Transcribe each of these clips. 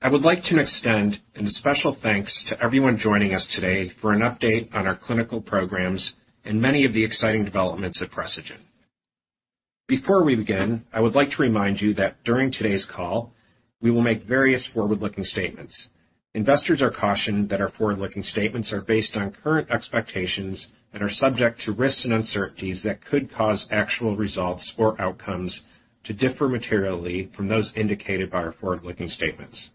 I would like to extend a special thanks to everyone joining us today for an update on our clinical programs and many of the exciting developments at Precigen. Before we begin, I would like to remind you that during today's call, we will make various forward-looking statements. Investors are cautioned that our forward-looking statements are based on current expectations and are subject to risks and uncertainties that could cause actual results or outcomes to differ materially from those indicated by our forward-looking statements.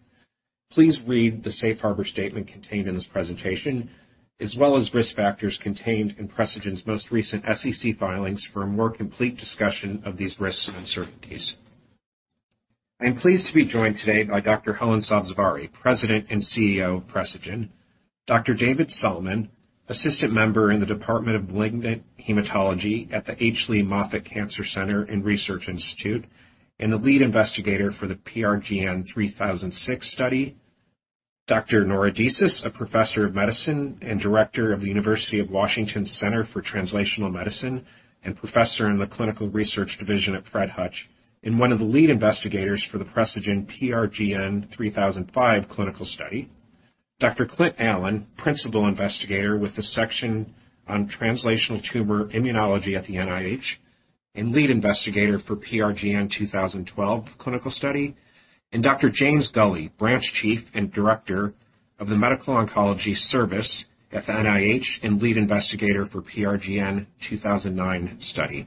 Please read the safe harbor statement contained in this presentation, as well as risk factors contained in Precigen's most recent SEC filings for a more complete discussion of these risks and uncertainties. I am pleased to be joined today by Dr. Helen Sabzevari, President and CEO of Precigen, Dr. David Sallman, Assistant Member in the Department of Malignant Hematology at the H. Lee Moffitt Cancer Center and Research Institute, and the lead investigator for the PRGN-3006 study. Dr. Nora Disis, a Professor of Medicine and Director of the University of Washington Center for Translational Medicine, and Professor in the Clinical Research Division at Fred Hutch, and one of the lead investigators for the Precigen PRGN-3005 clinical study. Dr. Clint Allen, Principal Investigator with the Section on Translational Tumor Immunology at the NIH, and lead investigator for PRGN2012 clinical study. Dr. James Gulley, Branch Chief and Director of the Medical Oncology Service at the NIH, and lead investigator for PRGN2009 study.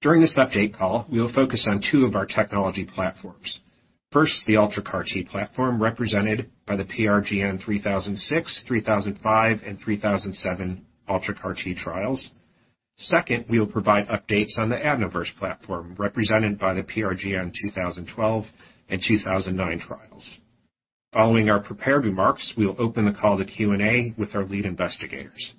During this update call, we will focus on two of our technology platforms. First, the UltraCAR-T platform represented by the PRGN-3006, PRGN-3005, and PRGN-3007 UltraCAR-T trials. Second, we will provide updates on the AdenoVerse platform represented by the PRGN-2012 and PRGN-2009 trials. Following our prepared remarks, we will open the call to Q&A with our lead investigators.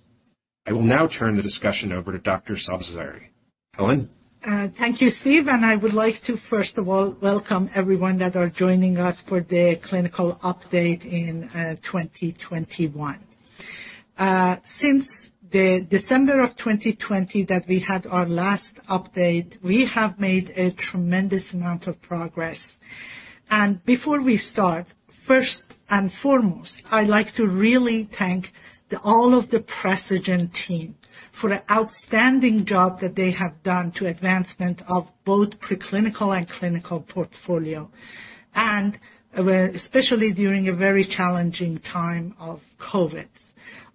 I will now turn the discussion over to Dr. Sabzevari. Helen? Thank you, Steve. I would like to first of all welcome everyone that are joining us for the clinical update in 2021. Since the December of 2020 that we had our last update, we have made a tremendous amount of progress. Before we start, first and foremost, I like to really thank all of the Precigen team for the outstanding job that they have done to advancement of both pre-clinical and clinical portfolio, and especially during a very challenging time of COVID.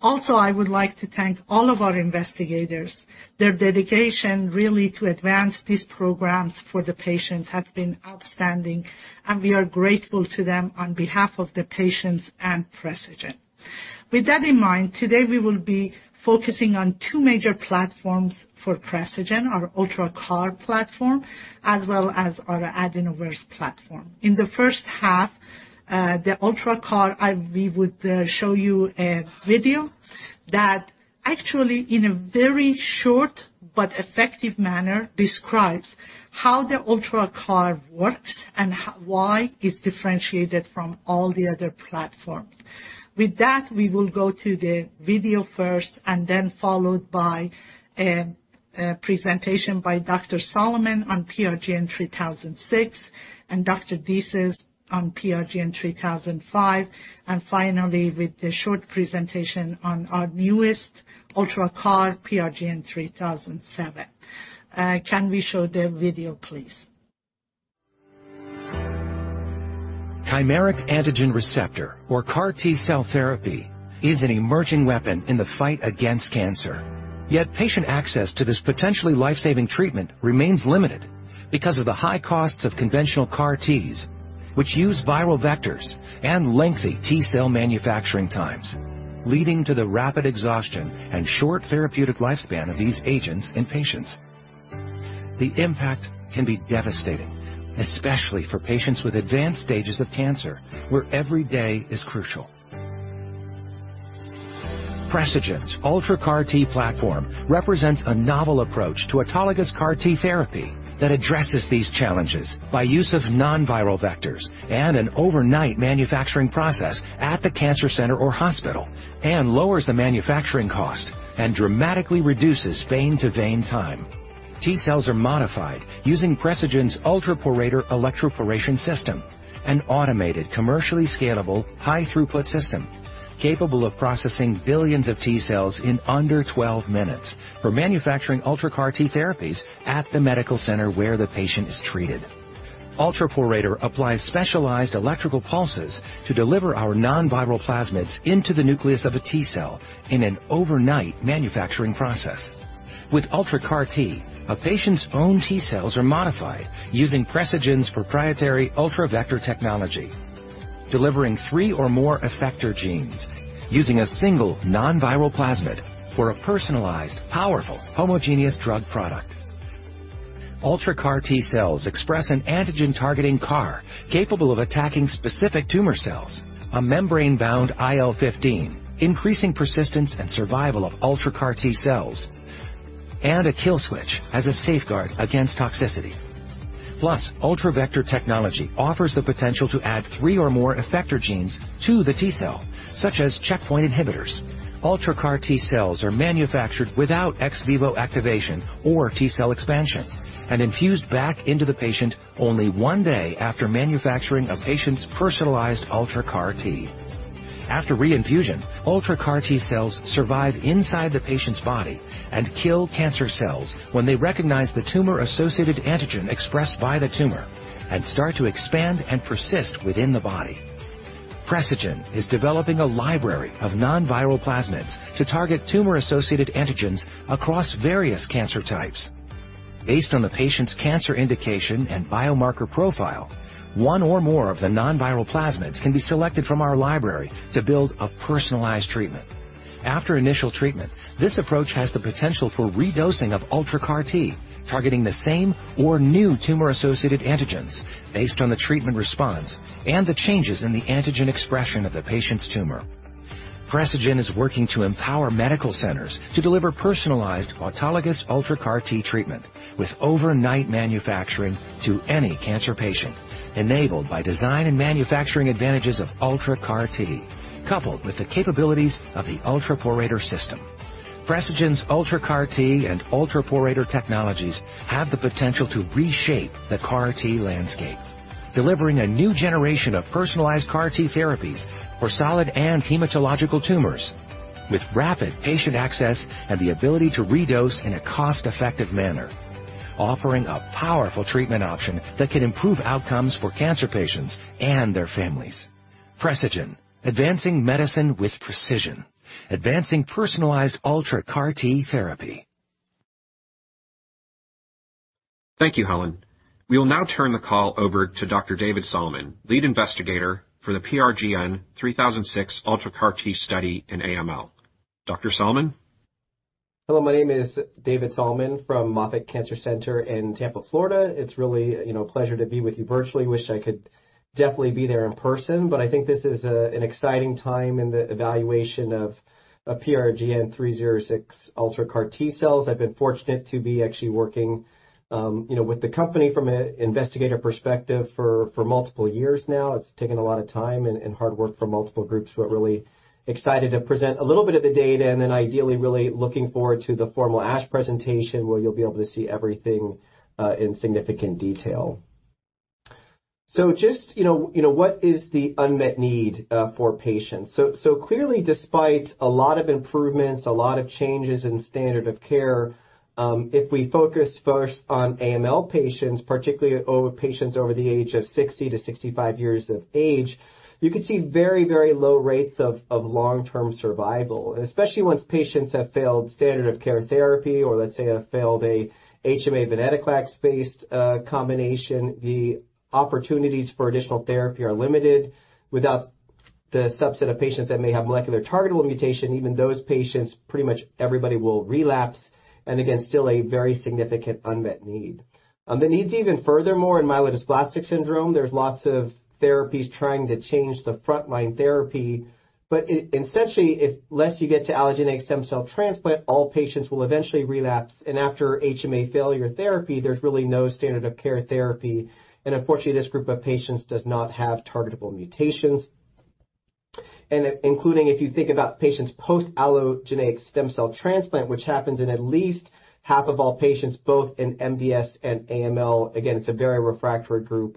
Also, I would like to thank all of our investigators. Their dedication really to advance these programs for the patients has been outstanding, and we are grateful to them on behalf of the patients and Precigen. With that in mind, today we will be focusing on two major platforms for Precigen, our Ultra CAR platform, as well as our AdenoVerse platform. In the first half, the Ultra CAR, we would show you a video that actually in a very short but effective manner describes how the Ultra CAR works and why it's differentiated from all the other platforms. With that, we will go to the video first and then followed by a presentation by Dr. Sallman on PRGN-3006, and Dr. Disis on PRGN-3005, and finally with the short presentation on our newest Ultra CAR, PRGN-3007. Can we show the video please? Chimeric antigen receptor, or CAR-T cell therapy, is an emerging weapon in the fight against cancer. Yet patient access to this potentially life-saving treatment remains limited because of the high costs of conventional CAR-Ts, which use viral vectors and lengthy T-cell manufacturing times, leading to the rapid exhaustion and short therapeutic lifespan of these agents in patients. The impact can be devastating, especially for patients with advanced stages of cancer, where every day is crucial. Precigen's UltraCAR-T platform represents a novel approach to autologous CAR-T therapy that addresses these challenges by use of non-viral vectors and an overnight manufacturing process at the cancer center or hospital and lowers the manufacturing cost and dramatically reduces vein-to-vein time. T-cells are modified using Precigen's UltraPorator electroporation system, an automated, commercially scalable, high-throughput system capable of processing billions of T-cells in under 12 minutes for manufacturing UltraCAR-T therapies at the medical center where the patient is treated. UltraPorator applies specialized electrical pulses to deliver our non-viral plasmids into the nucleus of a T cell in an overnight manufacturing process. With UltraCAR-T, a patient's own T-cells are modified using Precigen's proprietary UltraVector technology, delivering three or more effector genes using a single non-viral plasmid for a personalized, powerful, homogeneous drug product. UltraCAR-T cells express an antigen-targeting CAR, capable of attacking specific tumor cells, a membrane-bound IL-15, increasing persistence and survival of UltraCAR-T cells, and a kill switch as a safeguard against toxicity. Plus, UltraVector technology offers the potential to add three or more effector genes to the T-cell, such as checkpoint inhibitors. UltraCAR-T cells are manufactured without ex vivo activation or T-cell expansion and infused back into the patient only one day after manufacturing a patient's personalized UltraCAR-T. After reinfusion, UltraCAR-T cells survive inside the patient's body and kill cancer cells when they recognize the tumor-associated antigen expressed by the tumor and start to expand and persist within the body. Precigen is developing a library of non-viral plasmids to target tumor-associated antigens across various cancer types. Based on the patient's cancer indication and biomarker profile, one or more of the non-viral plasmids can be selected from our library to build a personalized treatment. After initial treatment, this approach has the potential for redosing of UltraCAR-T, targeting the same or new tumor-associated antigens based on the treatment response and the changes in the antigen expression of the patient's tumor. Precigen is working to empower medical centers to deliver personalized autologous UltraCAR-T treatment with overnight manufacturing to any cancer patient, enabled by design and manufacturing advantages of UltraCAR-T, coupled with the capabilities of the UltraPorator system. Precigen's UltraCAR-T and UltraPorator technologies have the potential to reshape the CAR T landscape, delivering a new generation of personalized CAR T therapies for solid and hematological tumors with rapid patient access and the ability to redose in a cost-effective manner, offering a powerful treatment option that can improve outcomes for cancer patients and their families. Precigen, advancing medicine with precision, advancing personalized UltraCAR-T therapy. Thank you, Helen. We will now turn the call over to Dr. David Sallman, lead investigator for the PRGN-3006 UltraCAR-T study in AML. Dr. Sallman? Hello, my name is David Sallman from Moffitt Cancer Center in Tampa, Florida. It's really, you know, a pleasure to be with you virtually. Wish I could definitely be there in person, but I think this is an exciting time in the evaluation of PRGN-3006 UltraCAR-T cells. I've been fortunate to be actually working, you know, with the company from an investigator perspective for multiple years now. It's taken a lot of time and hard work from multiple groups. We're really excited to present a little bit of the data, and then ideally really looking forward to the formal ASH presentation where you'll be able to see everything in significant detail. Just, you know, what is the unmet need for patients? Clearly despite a lot of improvements, a lot of changes in standard of care, if we focus first on AML patients, particularly older patients over the age of 60 years-65 years of age, you could see very low rates of long-term survival, and especially once patients have failed standard of care therapy or let's say have failed an HMA-venetoclax-based combination, the opportunities for additional therapy are limited. Without the subset of patients that may have molecular targetable mutation, even those patients, pretty much everybody will relapse, and again, still a very significant unmet need. The needs even further in myelodysplastic syndrome, there are lots of therapies trying to change the frontline therapy, but essentially unless you get to allogeneic stem cell transplant, all patients will eventually relapse. After HMA failure therapy, there is really no standard of care therapy. Unfortunately, this group of patients does not have targetable mutations. Including if you think about patients post-allogeneic stem cell transplant, which happens in at least half of all patients, both in MDS and AML, again, it's a very refractory group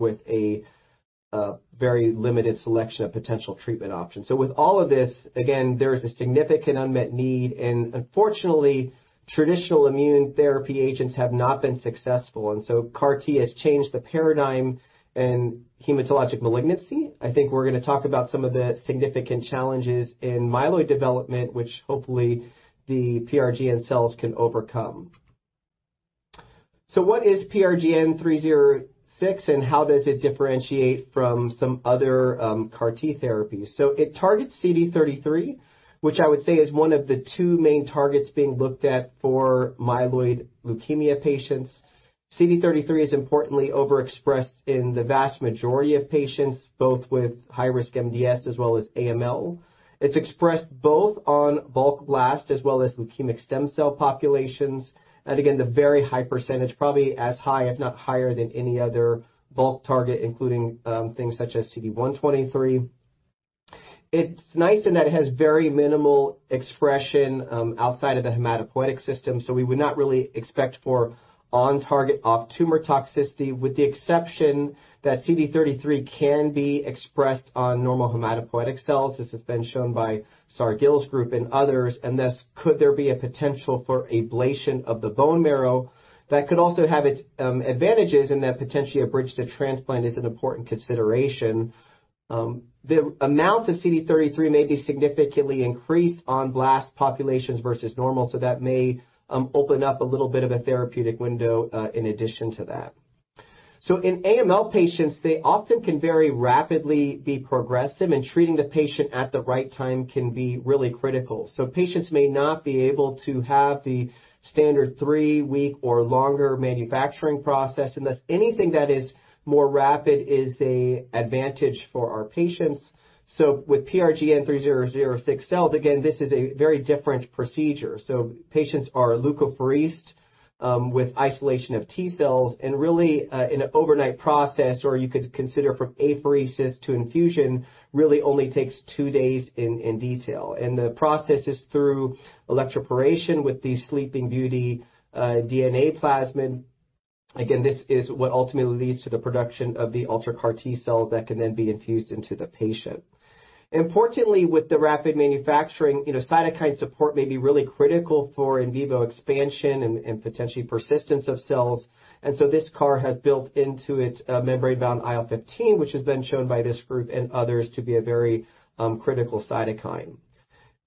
with a very limited selection of potential treatment options. With all of this, again, there is a significant unmet need, and unfortunately, traditional immune therapy agents have not been successful. CAR T has changed the paradigm in hematologic malignancy. I think we're gonna talk about some of the significant challenges in myeloid development, which hopefully the PRGN cells can overcome. What is PRGN-3006, and how does it differentiate from some other CAR T therapies? It targets CD33, which I would say is one of the two main targets being looked at for myeloid leukemia patients. CD33 is importantly overexpressed in the vast majority of patients, both with high-risk MDS as well as AML. It's expressed both on bulk blast as well as leukemic stem cell populations. Again, the very high percentage, probably as high if not higher than any other bulk target, including things such as CD123. It's nice in that it has very minimal expression outside of the hematopoietic system, so we would not really expect for on-target off-tumor toxicity, with the exception that CD33 can be expressed on normal hematopoietic cells. This has been shown by Saar Gill's group and others, and thus could there be a potential for ablation of the bone marrow that could also have its advantages in that potentially a bridge to transplant is an important consideration. The amount of CD33 may be significantly increased on blast populations versus normal, so that may open up a little bit of a therapeutic window in addition to that. In AML patients, they often can very rapidly be progressive, and treating the patient at the right time can be really critical. Patients may not be able to have the standard three-week or longer manufacturing process, and thus anything that is more rapid is an advantage for our patients. With PRGN-3006 cells, again, this is a very different procedure. Patients are leukapheresis with isolation of T cells, and really, in an overnight process, or you could consider from apheresis to infusion, really only takes two days in detail. The process is through electroporation with the Sleeping Beauty DNA plasmid. Again, this is what ultimately leads to the production of the UltraCAR-T cells that can then be infused into the patient. Importantly, with the rapid manufacturing, you know, cytokine support may be really critical for in vivo expansion and potentially persistence of cells. This CAR has built into its membrane-bound IL-15, which has been shown by this group and others to be a very critical cytokine.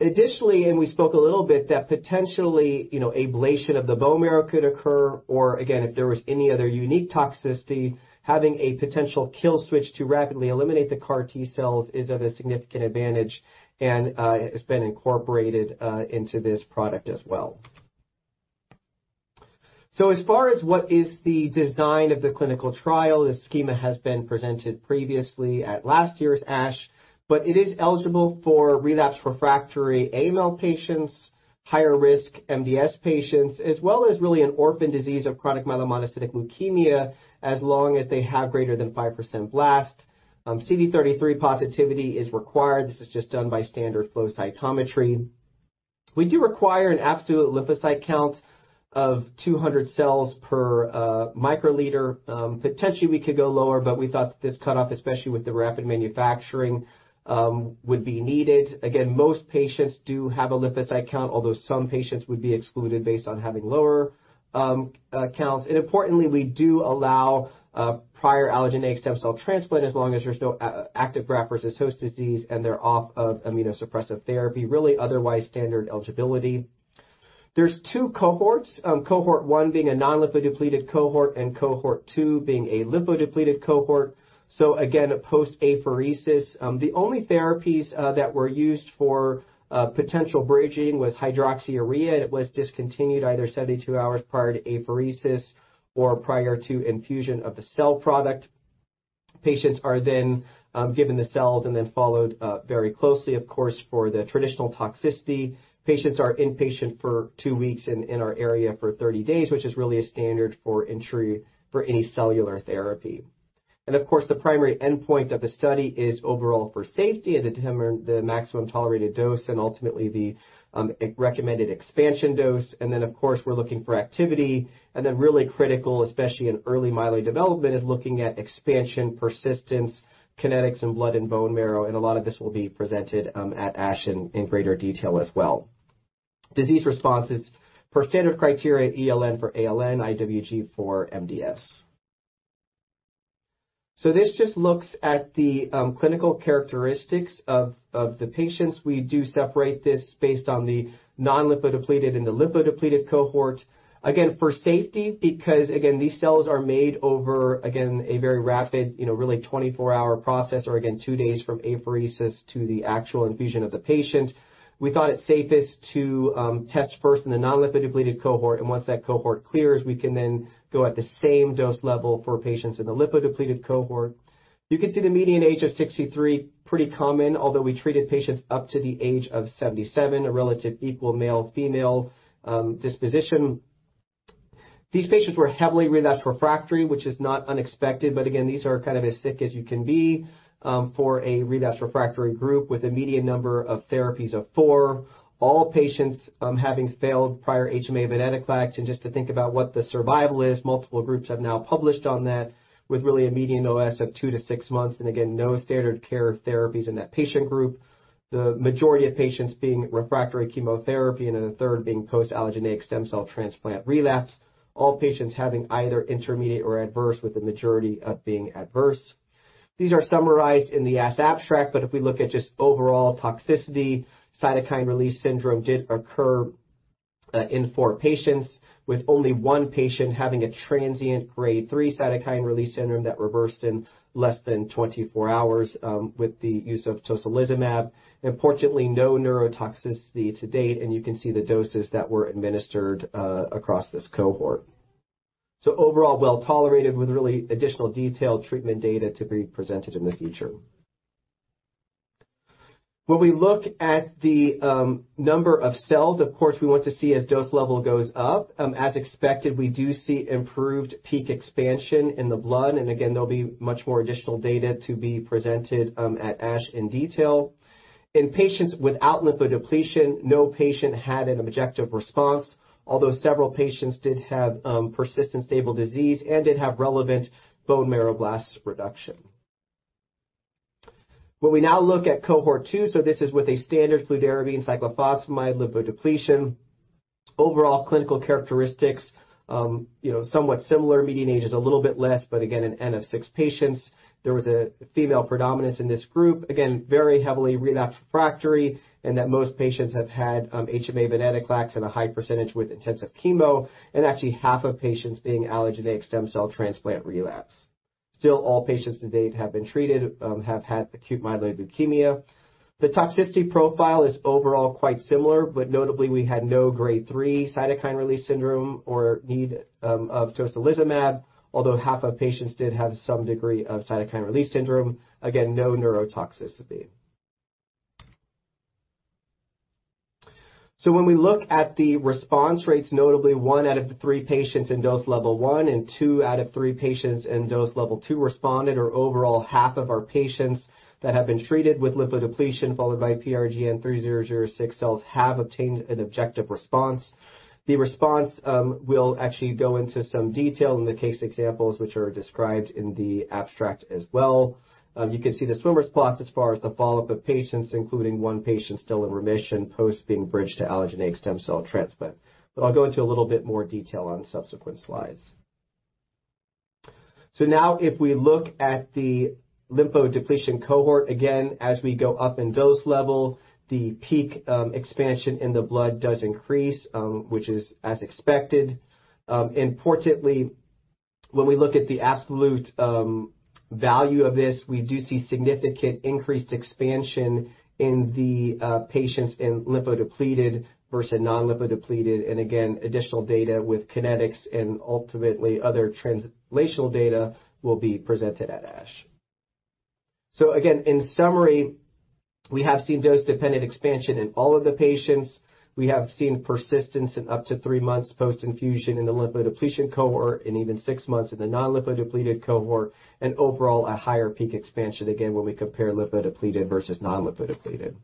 Additionally, we spoke a little bit that potentially, you know, ablation of the bone marrow could occur, or again, if there was any other unique toxicity, having a potential kill switch to rapidly eliminate the CAR-T cells is of a significant advantage and has been incorporated into this product as well. As far as what is the design of the clinical trial, this schema has been presented previously at last year's ASH, but it is eligible for relapse refractory AML patients, higher risk MDS patients, as well as really an orphan disease of chronic myelomonocytic leukemia, as long as they have greater than 5% blast. CD33 positivity is required. This is just done by standard flow cytometry. We do require an absolute lymphocyte count of 200 cells per microliter. Potentially we could go lower, but we thought this cutoff, especially with the rapid manufacturing, would be needed. Again, most patients do have a lymphocyte count, although some patients would be excluded based on having lower counts. Importantly, we do allow prior allogeneic stem cell transplant as long as there's no active graft versus host disease and they're off of immunosuppressive therapy, really otherwise standard eligibility. There's two cohorts, cohort one being a non-lymphodepleted cohort and cohort two being a lymphodepleted cohort, so again, post-apheresis. The only therapies that were used for potential bridging was hydroxyurea. It was discontinued either 72 hours prior to apheresis or prior to infusion of the cell product. Patients are then given the cells and then followed very closely, of course, for the traditional toxicity. Patients are inpatient for two weeks and in our area for 30 days, which is really a standard for entry for any cellular therapy. Of course, the primary endpoint of the study is overall for safety and to determine the maximum tolerated dose and ultimately the recommended expansion dose. Then of course, we're looking for activity and then really critical, especially in early myeloid development, is looking at expansion, persistence, kinetics in blood and bone marrow, and a lot of this will be presented at ASH in greater detail as well. Disease responses per standard criteria ELN for AML, IWG for MDS. This just looks at the clinical characteristics of the patients. We do separate this based on the non-lymphodepleted and the lymphodepleted cohort. Again, for safety, because again, these cells are made over again a very rapid, you know, really 24-hour process or again, two days from apheresis to the actual infusion of the patient. We thought it safest to test first in the non-lymphodepleted cohort. Once that cohort clears, we can then go at the same dose level for patients in the lymphodepleted cohort. You can see the median age of 63 years, pretty common, although we treated patients up to the age of 77 years, a relatively equal male-female disposition. These patients were heavily relapsed refractory, which is not unexpected, but again, these are kind of as sick as you can be for a relapsed refractory group with a median number of therapies of four. All patients having failed prior HMA venetoclax. Just to think about what the survival is, multiple groups have now published on that with really a median OS of two to six months, and again, no standard care therapies in that patient group. The majority of patients being refractory to chemotherapy and a third being post-allogeneic stem cell transplant relapse. All patients having either intermediate or adverse, with the majority being adverse. These are summarized in the ASH abstract, but if we look at just overall toxicity, cytokine release syndrome did occur in four patients, with only one patient having a transient grade three cytokine release syndrome that reversed in less than 24 hours with the use of tocilizumab. Importantly, no neurotoxicity to date, and you can see the doses that were administered across this cohort. Overall, well-tolerated with really additional detailed treatment data to be presented in the future. When we look at the number of cells, of course, we want to see as dose level goes up, as expected, we do see improved peak expansion in the blood. There'll be much more additional data to be presented at ASH in detail. In patients without lymphodepletion, no patient had an objective response, although several patients did have persistent stable disease and did have relevant bone marrow blast reduction. When we now look at cohort two, so this is with a standard fludarabine cyclophosphamide lymphodepletion. Overall clinical characteristics, you know, somewhat similar. Median age is a little bit less, but again, an N of six patients. There was a female predominance in this group. Again, very heavily relapsed refractory, and that most patients have had HMA venetoclax and a high percentage with intensive chemo, and actually half of patients being allogeneic stem cell transplant relapse. Still, all patients to date have been treated have had acute myeloid leukemia. The toxicity profile is overall quite similar, but notably, we had no grade three cytokine release syndrome or need of tocilizumab, although half of patients did have some degree of cytokine release syndrome. Again, no neurotoxicity. When we look at the response rates, notably one out of the three patients in dose level one and two out of three patients in dose level two responded. Or overall, half of our patients that have been treated with lymphodepletion, followed by PRGN-3006 cells have obtained an objective response. The response will actually go into some detail in the case examples which are described in the abstract as well. You can see the swimmer's plots as far as the follow-up of patients, including one patient still in remission, post being bridged to allogeneic stem cell transplant. I'll go into a little bit more detail on subsequent slides. Now if we look at the lymphodepletion cohort, again, as we go up in dose level, the peak expansion in the blood does increase, which is as expected. Importantly, when we look at the absolute value of this, we do see significant increased expansion in the patients in lymphodepleted versus non-lymphodepleted. Again, additional data with kinetics and ultimately other translational data will be presented at ASH. Again, in summary, we have seen dose-dependent expansion in all of the patients. We have seen persistence in up to three months post-infusion in the lymphodepletion cohort and even six months in the non-lymphodepleted cohort. Overall, a higher peak expansion again when we compare lymphodepleted versus non-lymphodepleted.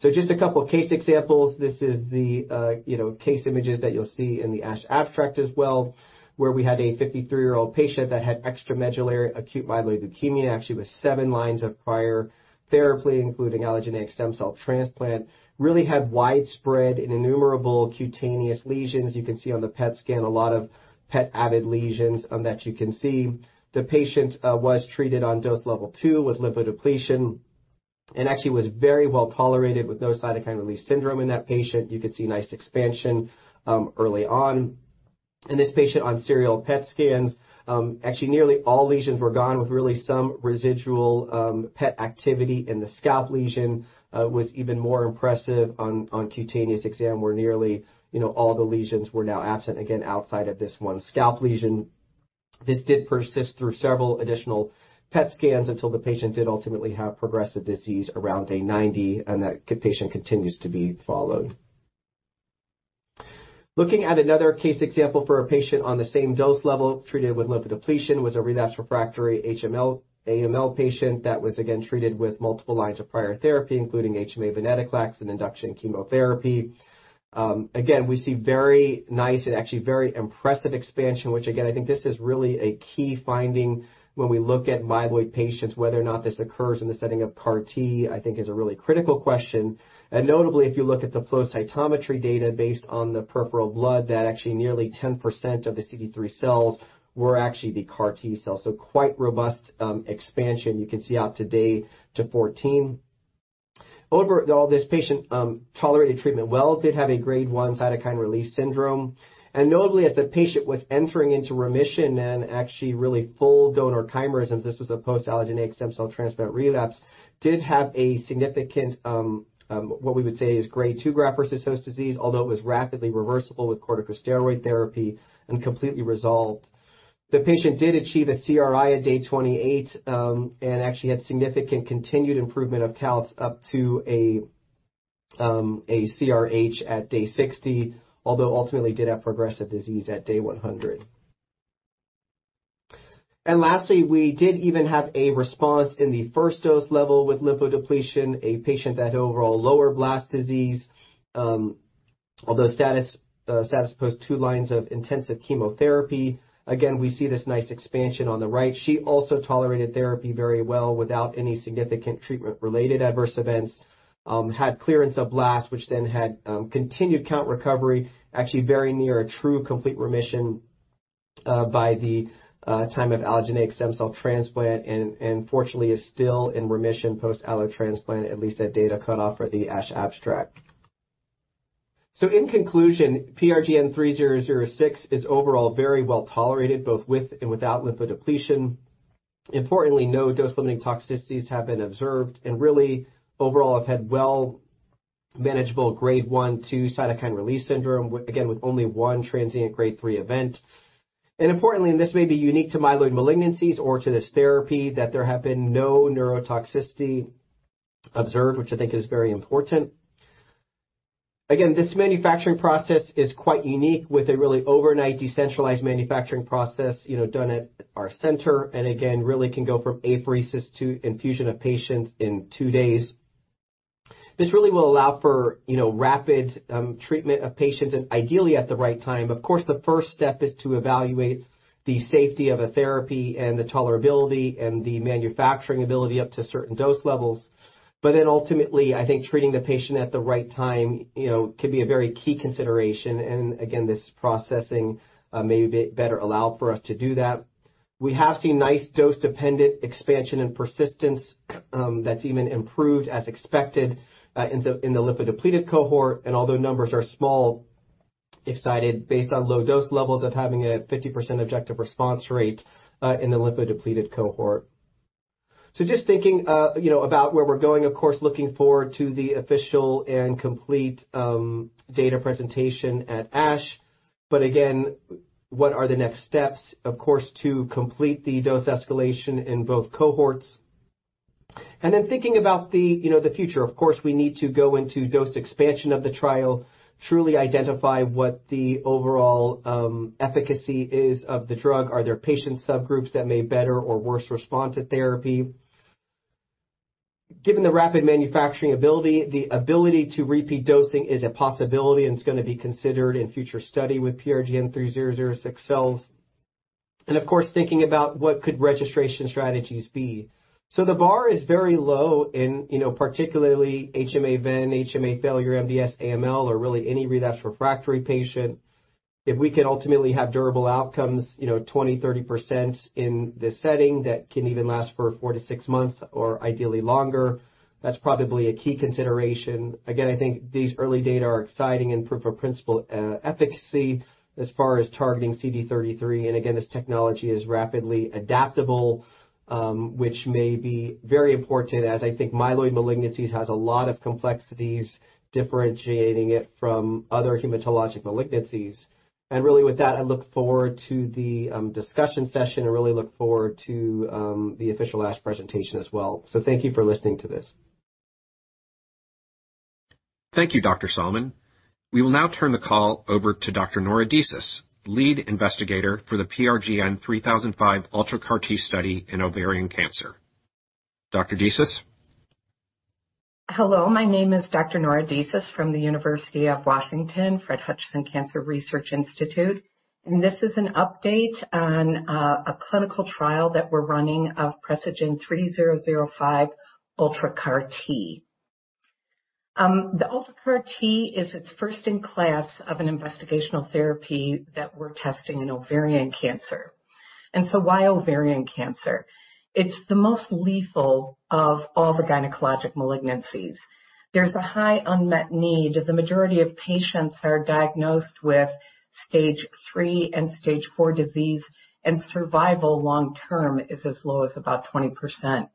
Just a couple of case examples. This is the, you know, case images that you'll see in the ASH abstract as well, where we had a 53-year-old patient that had extramedullary acute myeloid leukemia, actually with seven lines of prior therapy, including allogeneic stem cell transplant. Really had widespread and innumerable cutaneous lesions. You can see on the PET scan a lot of PET avid lesions, that you can see. The patient was treated on dose level two with lymphodepletion and actually was very well tolerated with no cytokine release syndrome in that patient. You could see nice expansion, early on. In this patient on serial PET scans, actually nearly all lesions were gone with really some residual PET activity, and the scalp lesion was even more impressive on cutaneous exam, where nearly, you know, all the lesions were now absent, again, outside of this one scalp lesion. This did persist through several additional PET scans until the patient did ultimately have progressive disease around day 90, and that patient continues to be followed. Looking at another case example for a patient on the same dose level treated with lymphodepletion was a relapsed refractory AML patient that was again treated with multiple lines of prior therapy, including HMA venetoclax and induction chemotherapy. Again, we see very nice and actually very impressive expansion, which again, I think this is really a key finding when we look at myeloid patients. Whether or not this occurs in the setting of CAR T, I think is a really critical question. Notably, if you look at the flow cytometry data based on the peripheral blood, that actually nearly 10% of the CD3 cells were actually the CAR T-cells. Quite robust expansion you can see out to day 2-14. Overall, this patient tolerated treatment well, did have a grade one cytokine release syndrome. Notably, as the patient was entering into remission and actually really full donor chimerism, this was a post-allogeneic stem cell transplant relapse, did have a significant what we would say is grade two graft-versus-host disease, although it was rapidly reversible with corticosteroid therapy and completely resolved. The patient did achieve a CRi at day 28 and actually had significant continued improvement of counts up to a CRh at day 60, although ultimately did have progressive disease at day 100. Lastly, we did even have a response in the first dose level with lymphodepletion, a patient that had overall lower blast disease, although status post two lines of intensive chemotherapy. Again, we see this nice expansion on the right. She also tolerated therapy very well without any significant treatment-related adverse events. Had clearance of blast, which then had continued count recovery actually very near a true complete remission, by the time of allogeneic stem cell transplant, and fortunately is still in remission post allo transplant, at least at data cut off for the ASH abstract. In conclusion, PRGN-3006 is overall very well tolerated, both with and without lymphodepletion. Importantly, no dose-limiting toxicities have been observed and really overall have had well manageable grade one, two cytokine release syndrome, again, with only one transient grade three event. Importantly, and this may be unique to myeloid malignancies or to this therapy that there have been no neurotoxicity observed, which I think is very important. Again, this manufacturing process is quite unique with a really overnight decentralized manufacturing process, you know, done at our center and again, really can go from apheresis to infusion of patients in two days. This really will allow for, you know, rapid treatment of patients and ideally at the right time. Of course, the first step is to evaluate the safety of a therapy and the tolerability and the manufacturing ability up to certain dose levels. Then ultimately, I think treating the patient at the right time, you know, can be a very key consideration. Again, this processing may better allow for us to do that. We have seen nice dose-dependent expansion and persistence, that's even improved as expected, in the lymphodepleted cohort. Although numbers are small, excited based on low dose levels of having a 50% objective response rate in the lymphodepleted cohort. Just thinking about where we're going, of course, looking forward to the official and complete data presentation at ASH. Again, what are the next steps? Of course, to complete the dose escalation in both cohorts. Then thinking about the future, of course, we need to go into dose expansion of the trial, truly identify what the overall efficacy is of the drug. Are there patient subgroups that may better or worse respond to therapy? Given the rapid manufacturing ability, the ability to repeat dosing is a possibility, and it's gonna be considered in future study with PRGN-3006 cells. Of course, thinking about what could registration strategies be. The bar is very low in, you know, particularly HMA-venetoclax, HMA failure, MDS, AML, or really any relapse refractory patient. If we can ultimately have durable outcomes, you know, 20%, 30% in this setting that can even last for 4-6 months or ideally longer, that's probably a key consideration. Again, I think these early data are exciting and proof of principle efficacy as far as targeting CD33, and again, this technology is rapidly adaptable, which may be very important as I think myeloid malignancies has a lot of complexities differentiating it from other hematologic malignancies. Really with that, I look forward to the discussion session and really look forward to the official last presentation as well. Thank you for listening to this. Thank you, Dr. Sallman. We will now turn the call over to Dr. Nora Disis, lead investigator for the PRGN-3005 UltraCAR-T study in ovarian cancer. Dr. Disis. Hello, my name is Dr. Nora Disis from the University of Washington Fred Hutchinson Cancer Research Center, and this is an update on a clinical trial that we're running of Precigen 3005 UltraCAR-T. The UltraCAR-T is its first in class of an investigational therapy that we're testing in ovarian cancer. Why ovarian cancer? It's the most lethal of all the gynecologic malignancies. There's a high unmet need as the majority of patients are diagnosed with stage three and stage four disease, and survival long-term is as low as about 20%.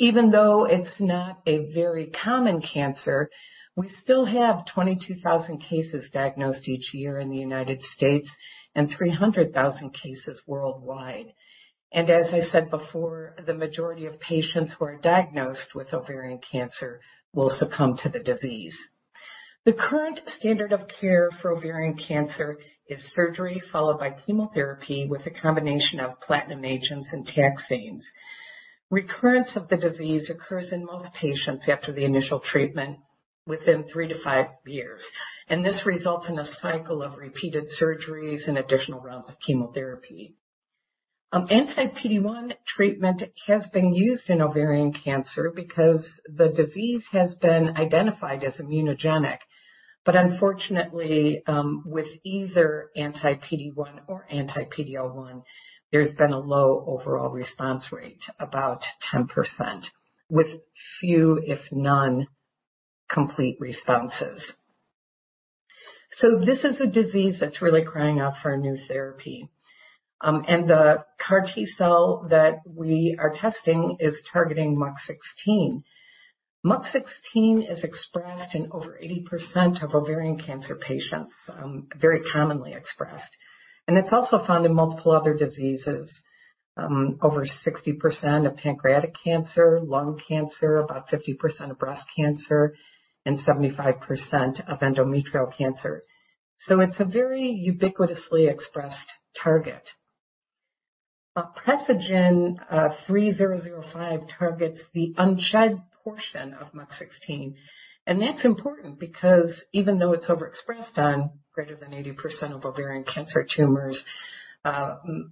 Even though it's not a very common cancer, we still have 22,000 cases diagnosed each year in the United States and 300,000 cases worldwide. As I said before, the majority of patients who are diagnosed with ovarian cancer will succumb to the disease. The current standard of care for ovarian cancer is surgery followed by chemotherapy with a combination of platinum agents and taxanes. Recurrence of the disease occurs in most patients after the initial treatment within 3 years-5 years. This results in a cycle of repeated surgeries and additional rounds of chemotherapy. An anti-PD-1 treatment has been used in ovarian cancer because the disease has been identified as immunogenic. Unfortunately, with either anti-PD-1 or anti-PD-L1, there's been a low overall response rate, about 10%, with few, if none, complete responses. This is a disease that's really crying out for a new therapy. The CAR T-cell that we are testing is targeting MUC16. MUC16 is expressed in over 80% of ovarian cancer patients, very commonly expressed. It's also found in multiple other diseases. Over 60% of pancreatic cancer, lung cancer, about 50% of breast cancer, and 75% of endometrial cancer. It's a very ubiquitously expressed target. PRGN-3005 targets the unshed portion of MUC16, and that's important because even though it's overexpressed on greater than 80% of ovarian cancer tumors,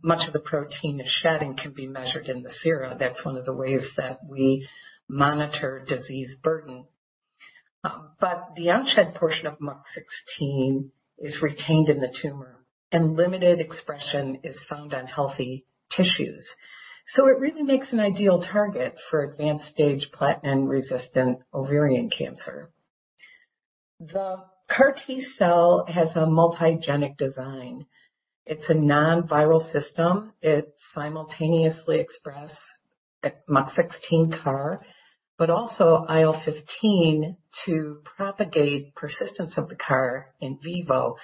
much of the protein is shed and can be measured in the sera. That's one of the ways that we monitor disease burden. The unshed portion of MUC16 is retained in the tumor and limited expression is found on healthy tissues. It really makes an ideal target for advanced stage platinum-resistant ovarian cancer. The CAR-T cell has a multigenic design. It's a non-viral system. It simultaneously expresses MUC16 CAR, but also IL-15 to propagate persistence of the CAR in vivo,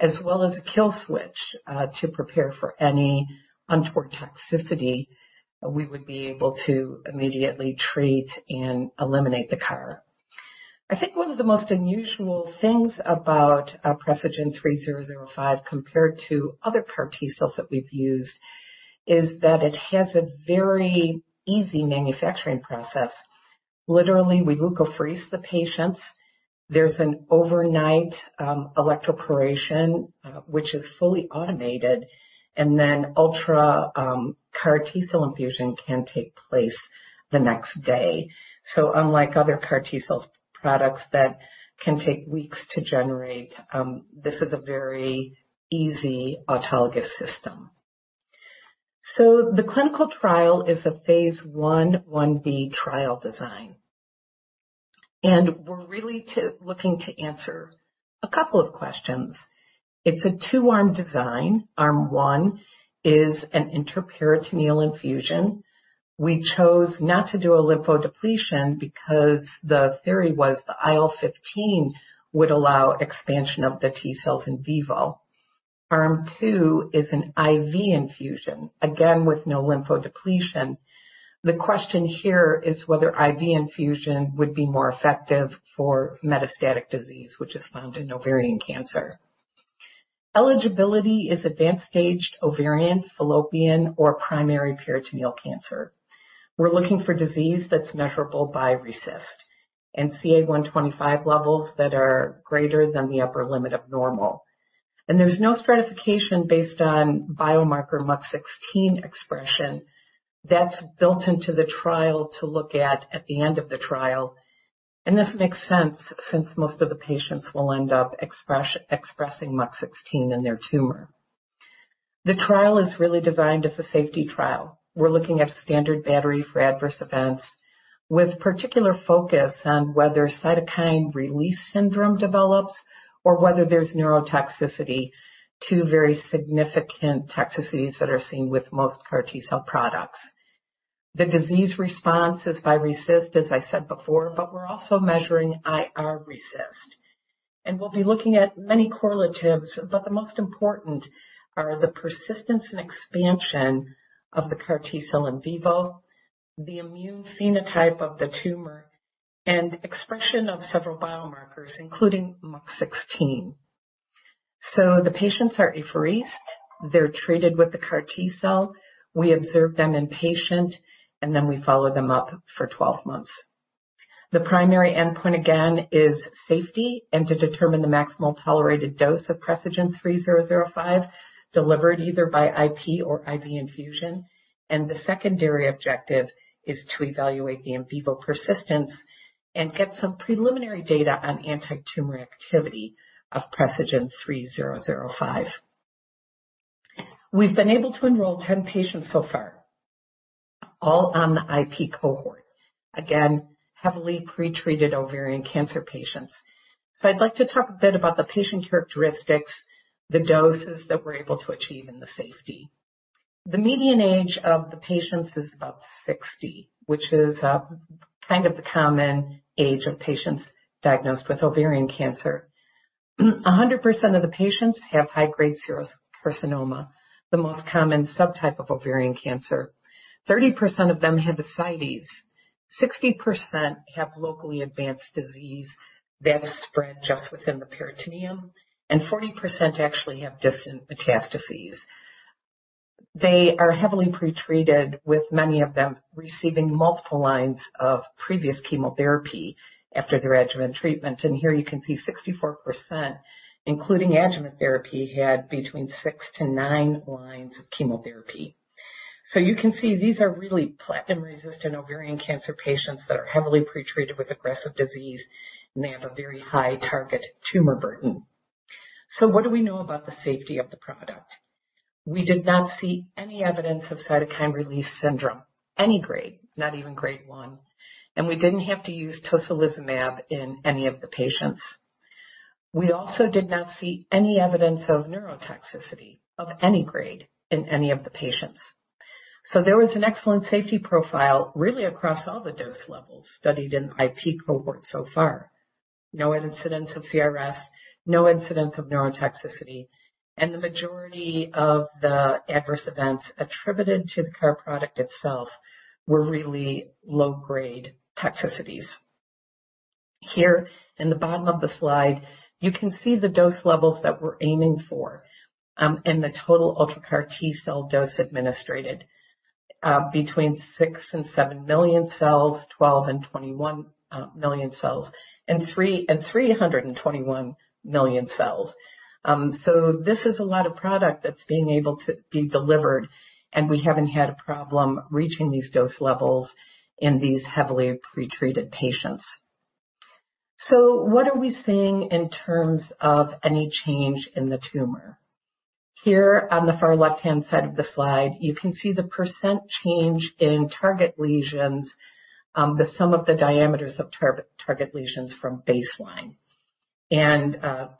as well as a kill switch to prepare for any untoward toxicity we would be able to immediately treat and eliminate the CAR. I think one of the most unusual things about PRGN-3005 compared to other CAR-T cells that we've used is that it has a very easy manufacturing process. Literally, we leukapheresis the patients. There's an overnight electroporation, which is fully automated, and then UltraCAR-T cell infusion can take place the next day. Unlike other CAR-T cell products that can take weeks to generate, this is a very easy autologous system. The clinical trial is a phase I/IB trial design. We're really looking to answer a couple of questions. It's a two-arm design. Arm one is an intraperitoneal infusion. We chose not to do a lymphodepletion because the theory was the IL-15 would allow expansion of the T-cells in vivo. Arm two is an IV infusion, again with no lymphodepletion. The question here is whether IV infusion would be more effective for metastatic disease, which is found in ovarian cancer. Eligibility is advanced-stage ovarian, fallopian or primary peritoneal cancer. We're looking for disease that's measurable by RECIST and CA-125 levels that are greater than the upper limit of normal. There's no stratification based on biomarker MUC16 expression that's built into the trial to look at the end of the trial. This makes sense since most of the patients will end up expressing MUC16 in their tumor. The trial is really designed as a safety trial. We're looking at standard battery for adverse events, with particular focus on whether cytokine release syndrome develops or whether there's neurotoxicity to very significant toxicities that are seen with most CAR T-cell products. The disease responses by RECIST, as I said before, but we're also measuring iRECIST, and we'll be looking at many correlatives. The most important are the persistence and expansion of the CAR T-cell in vivo, the immune phenotype of the tumor, and expression of several biomarkers, including MUC16. The patients are apheresed, they're treated with the CAR T-cell. We observe them inpatient, and then we follow them up for 12 months. The primary endpoint again is safety and to determine the maximal tolerated dose of Precigen 3005 delivered either by IP or IV infusion. The secondary objective is to evaluate the in vivo persistence and get some preliminary data on antitumor activity of PRGN-3005. We've been able to enroll 10 patients so far, all on the IP cohort. Again, heavily pretreated ovarian cancer patients. I'd like to talk a bit about the patient characteristics, the doses that we're able to achieve and the safety. The median age of the patients is about 60, which is kind of the common age of patients diagnosed with ovarian cancer. 100% of the patients have high-grade serous carcinoma, the most common subtype of ovarian cancer. 30% of them have ascites, 60% have locally advanced disease that has spread just within the peritoneum, and 40% actually have distant metastases. They are heavily pretreated, with many of them receiving multiple lines of previous chemotherapy after their adjuvant treatment. Here you can see 64%, including adjuvant therapy, had between 6-9 lines of chemotherapy. You can see these are really platinum-resistant ovarian cancer patients that are heavily pretreated with aggressive disease, and they have a very high target tumor burden. What do we know about the safety of the product? We did not see any evidence of cytokine release syndrome, any grade, not even grade one. We didn't have to use tocilizumab in any of the patients. We also did not see any evidence of neurotoxicity of any grade in any of the patients. There was an excellent safety profile really across all the dose levels studied in the IP cohort so far. No incidents of CRS, no incidents of neurotoxicity. The majority of the adverse events attributed to the CAR product itself were really low-grade toxicities. Here in the bottom of the slide, you can see the dose levels that we're aiming for, and the total UltraCAR-T-cell dose administered between 6-7 million cells, 12-21 million cells, and 321 million cells. This is a lot of product that's being able to be delivered and we haven't had a problem reaching these dose levels in these heavily pretreated patients. What are we seeing in terms of any change in the tumor? Here on the far left-hand side of the slide, you can see the percent change in target lesions, the sum of the diameters of target lesions from baseline.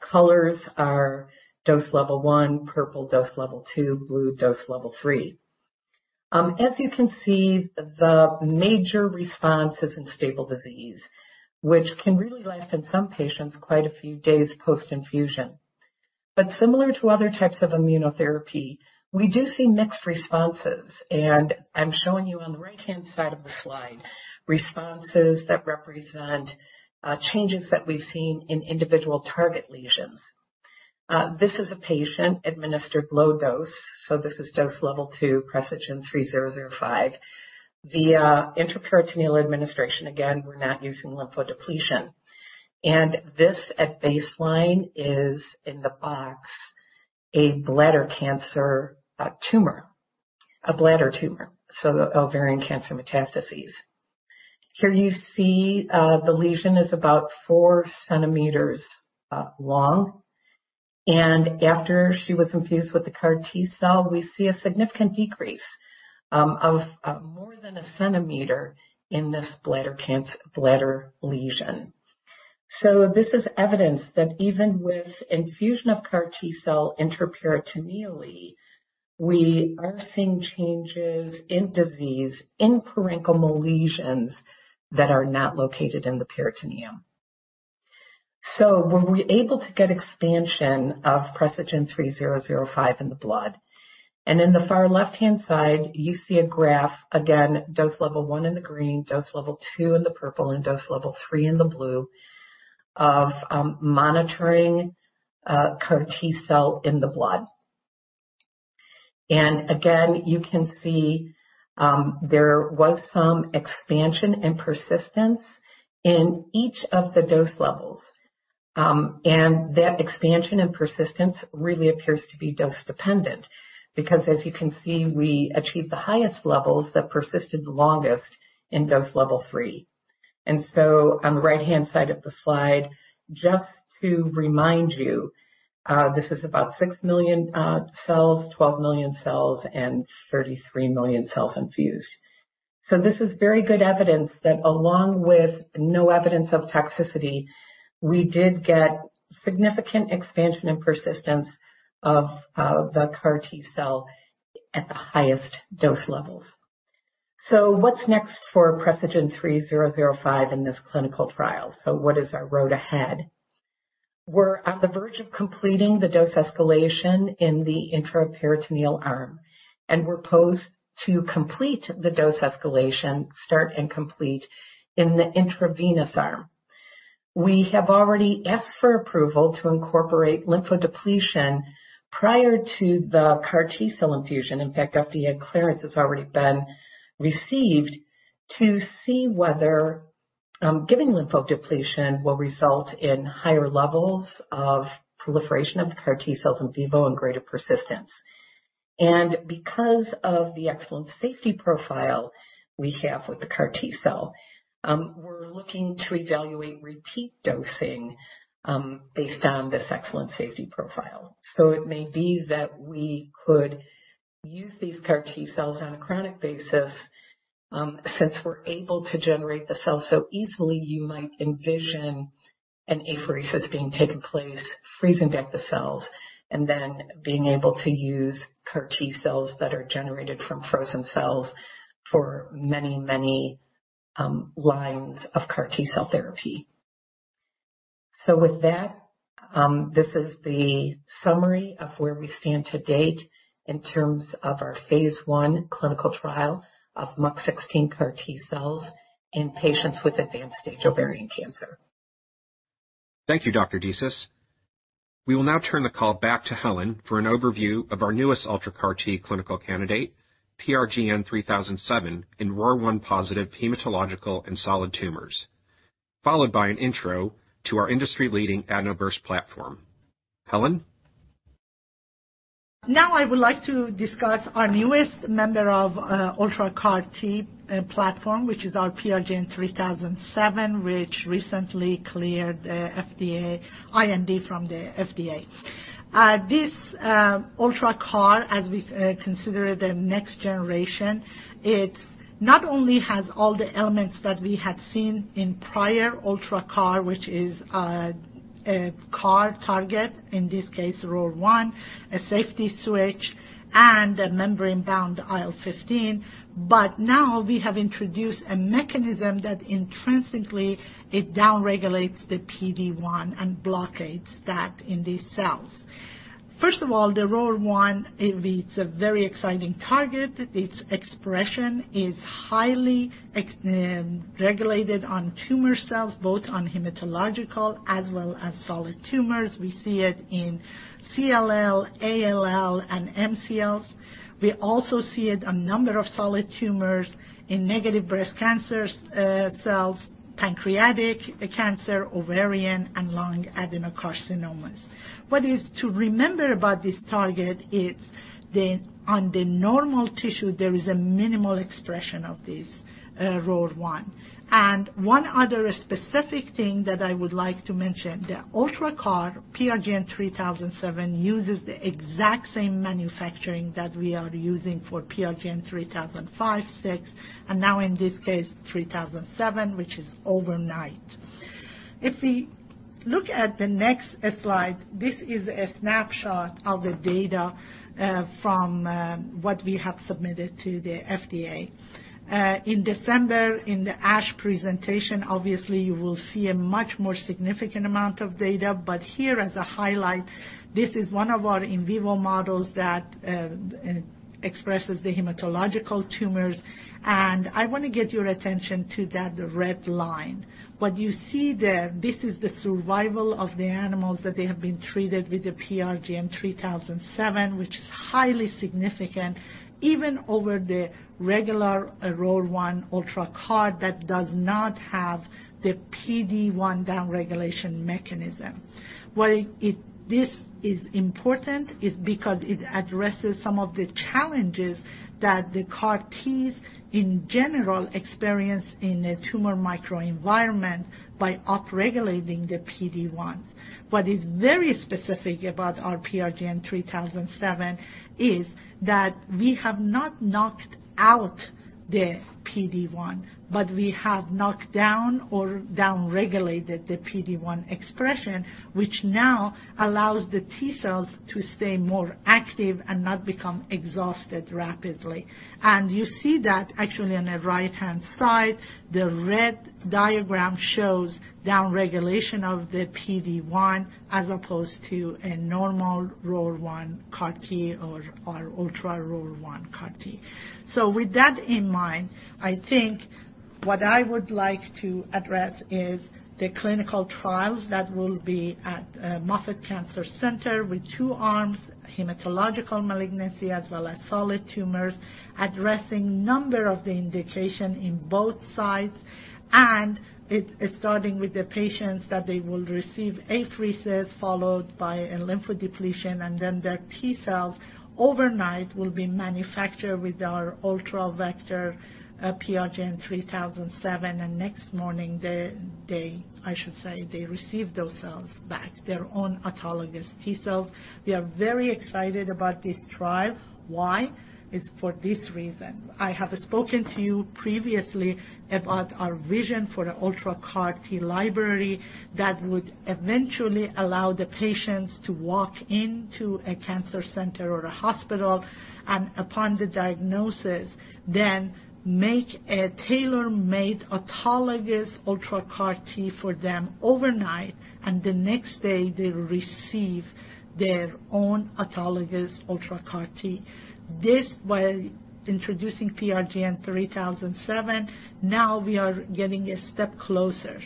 Colors are dose level one, purple, dose level two, blue, dose level three. As you can see, the major response is in stable disease, which can really last in some patients quite a few days post-infusion. Similar to other types of immunotherapy, we do see mixed responses. I'm showing you on the right-hand side of the slide responses that represent changes that we've seen in individual target lesions. This is a patient administered low dose. This is dose level two Precigen 3005 via intraperitoneal administration. Again, we're not using lymphodepletion. This at baseline is in the box, a bladder cancer tumor. A bladder tumor. So the ovarian cancer metastases. Here you see the lesion is about four centimeters long. After she was infused with the CAR T-cell, we see a significant decrease of more than a centimeter in this bladder lesion. This is evidence that even with infusion of CAR T-cell intraperitoneally, we are seeing changes in disease in parenchymal lesions that are not located in the peritoneum. Were we able to get expansion of PRGN-3005 in the blood? In the far left-hand side, you see a graph, again, dose level one in the green, dose level two in the purple, and dose level three in the blue of monitoring CAR T-cell in the blood. Again, you can see there was some expansion and persistence in each of the dose levels. That expansion and persistence really appears to be dose-dependent because as you can see, we achieved the highest levels that persisted the longest in dose level three. On the right-hand side of the slide, just to remind you, this is about 6 million cells, 12 million cells, and 33 million cells infused. This is very good evidence that along with no evidence of toxicity, we did get significant expansion and persistence of the CAR T-cell at the highest dose levels. What's next for PRGN-3005 in this clinical trial? What is our road ahead? We're on the verge of completing the dose escalation in the intraperitoneal arm, and we're poised to complete the dose escalation, start and complete in the intravenous arm. We have already asked for approval to incorporate lymphodepletion prior to the CAR T-cell infusion. In fact, FDA clearance has already been received to see whether giving lymphodepletion will result in higher levels of proliferation of the CAR T-cells in vivo and greater persistence. Because of the excellent safety profile we have with the CAR T-cell, we're looking to evaluate repeat dosing based on this excellent safety profile. It may be that we could use these CAR T-cells on a chronic basis. Since we're able to generate the cells so easily, you might envision an apheresis being taken place, freezing back the cells, and then being able to use CAR T-cells that are generated from frozen cells for many lines of CAR T-cell therapy. With that, this is the summary of where we stand to date in terms of our phase I clinical trial of MUC16 CAR T-cells in patients with advanced stage ovarian cancer. Thank you, Dr. Disis. We will now turn the call back to Helen for an overview of our newest UltraCAR-T clinical candidate, PRGN-3007 in ROR1-positive hematological and solid tumors, followed by an intro to our industry-leading AdenoVerse platform. Helen? Now I would like to discuss our newest member of UltraCAR-T platform, which is our PRGN-3007, which recently cleared the FDA IND from the FDA. This UltraCAR-T, as we consider the next generation, it not only has all the elements that we had seen in prior UltraCAR-T, which is a CAR target, in this case, ROR1, a safety switch, and a membrane-bound IL-15. Now we have introduced a mechanism that intrinsically it downregulates the PD-1 and blocks that in these cells. First of all, the ROR1, it is a very exciting target. Its expression is highly regulated on tumor cells, both on hematological as well as solid tumors. We see it in CLL, ALL, and MCLs. We also see it in a number of solid tumors in triple-negative breast cancer cells, pancreatic cancer, ovarian, and lung adenocarcinomas. What is to remember about this target is that on the normal tissue, there is a minimal expression of this ROR1. One other specific thing that I would like to mention, the UltraCAR PRGN-3007 uses the exact same manufacturing that we are using for PRGN-3005, 3006, and now in this case, 3007, which is overnight. If we look at the next slide, this is a snapshot of the data from what we have submitted to the FDA. In December, in the ASH presentation, obviously, you will see a much more significant amount of data. Here as a highlight, this is one of our in vivo models that expresses the hematological tumors. I want to get your attention to that red line. What you see there, this is the survival of the animals that they have been treated with the PRGN-3007, which is highly significant even over the regular ROR1 UltraCAR-T that does not have the PD-1 downregulation mechanism. This is important because it addresses some of the challenges that the CAR-Ts in general experience in a tumor microenvironment by upregulating the PD-1. What is very specific about our PRGN-3007 is that we have not knocked out the PD-1, but we have knocked down or downregulated the PD-1 expression, which now allows the T-cells to stay more active and not become exhausted rapidly. You see that actually on the right-hand side, the red diagram shows downregulation of the PD-1 as opposed to a normal ROR1 CAR-T or our ultra ROR1 CAR-T. With that in mind, I think what I would like to address is the clinical trials that will be at Moffitt Cancer Center with two arms, hematologic malignancy as well as solid tumors, addressing a number of indications in both. It is starting with the patients that they will receive apheresis followed by a lymphodepletion, and then their T-cells overnight will be manufactured with our UltraVector PRGN-3007, and next morning, I should say they receive those cells back, their own autologous T-cells. We are very excited about this trial. Why? It's for this reason. I have spoken to you previously about our vision for the UltraCAR-T library that would eventually allow the patients to walk into a cancer center or a hospital, and upon the diagnosis, then make a tailor-made autologous UltraCAR-T for them overnight, and the next day, they receive their own autologous UltraCAR-T. This, while introducing PRGN-3007, now we are getting a step closer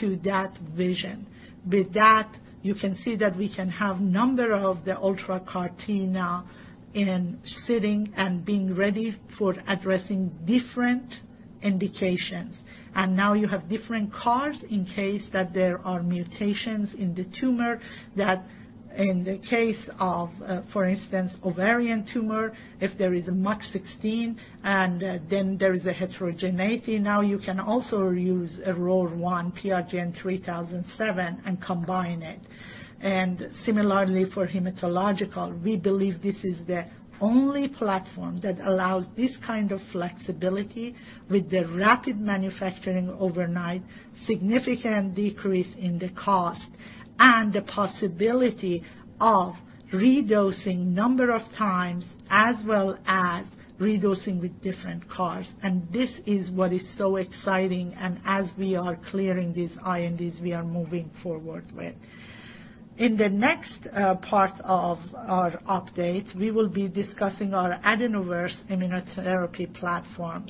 to that vision. With that, you can see that we can have number of the UltraCAR-T now in sitting and being ready for addressing different indications. Now you have different CARs in case that there are mutations in the tumor that in the case of, for instance, ovarian tumor, if there is a MUC16 and then there is a heterogeneity, now you can also use a ROR1 PRGN-3007 and combine it. Similarly for hematological, we believe this is the only platform that allows this kind of flexibility with the rapid manufacturing overnight, significant decrease in the cost, and the possibility of redosing number of times as well as redosing with different CARs. This is what is so exciting, and as we are clearing these INDs, we are moving forward with. In the next part of our update, we will be discussing our AdenoVerse immunotherapy platform.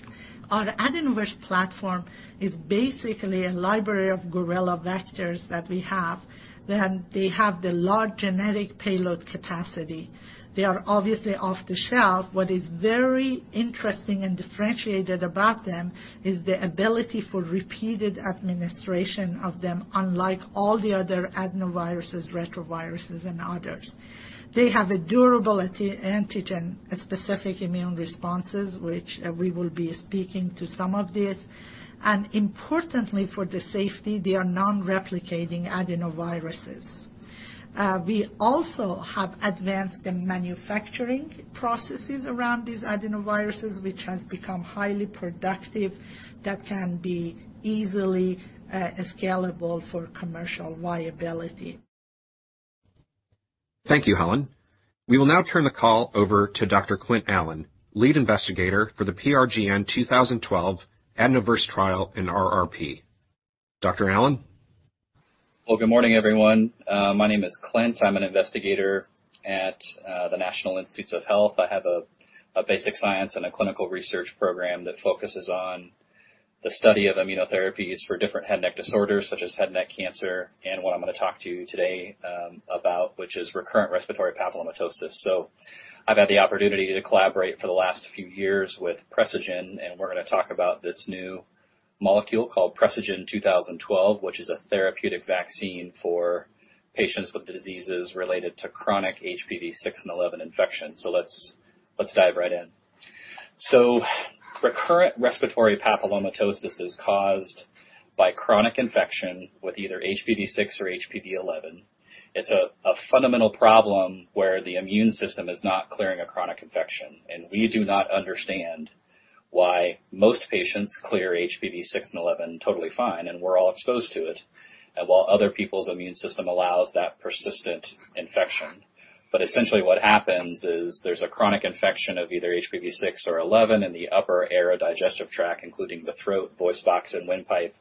Our AdenoVerse platform is basically a library of gorilla vectors that we have. Then they have the large genetic payload capacity. They are obviously off the shelf. What is very interesting and differentiated about them is the ability for repeated administration of them, unlike all the other adenoviruses, retroviruses, and others. They have a durable antigen, a specific immune responses, which we will be speaking to some of this. Importantly, for the safety, they are non-replicating adenoviruses. We also have advanced the manufacturing processes around these adenoviruses, which has become highly productive, that can be easily scalable for commercial viability. Thank you, Helen. We will now turn the call over to Dr. Clint Allen, lead investigator for the PRGN-2012 AdenoVerse trial in RRP. Dr. Allen? Well, good morning, everyone. My name is Clint. I'm an investigator at the National Institutes of Health. I have a basic science and a clinical research program that focuses on the study of immunotherapies for different head and neck disorders, such as head and neck cancer. What I'm going to talk to you about today is recurrent respiratory papillomatosis. I've had the opportunity to collaborate for the last few years with Precigen, and we're going to talk about this new molecule called PRGN-2012, which is a therapeutic vaccine for patients with diseases related to chronic HPV 6 and HPV 11 infection. Let's dive right in. Recurrent respiratory papillomatosis is caused by chronic infection with either HPV 6 or HPV 11. It's a fundamental problem where the immune system is not clearing a chronic infection, and we do not understand why most patients clear HPV 6 and HPV 11 totally fine, and we're all exposed to it, and while other people's immune system allows that persistent infection. Essentially, what happens is there's a chronic infection of either HPV 6 or HPV 11 in the upper aerodigestive tract, including the throat, voice box, and windpipe.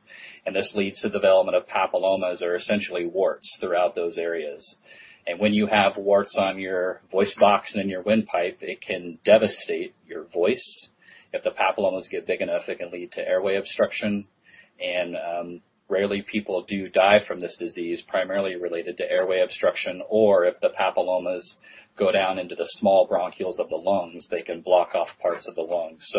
This leads to development of papillomas, or essentially warts, throughout those areas. When you have warts on your voice box and in your windpipe, it can devastate your voice. If the papillomas get big enough, they can lead to airway obstruction. Rarely, people do die from this disease, primarily related to airway obstruction, or if the papillomas go down into the small bronchioles of the lungs, they can block off parts of the lungs.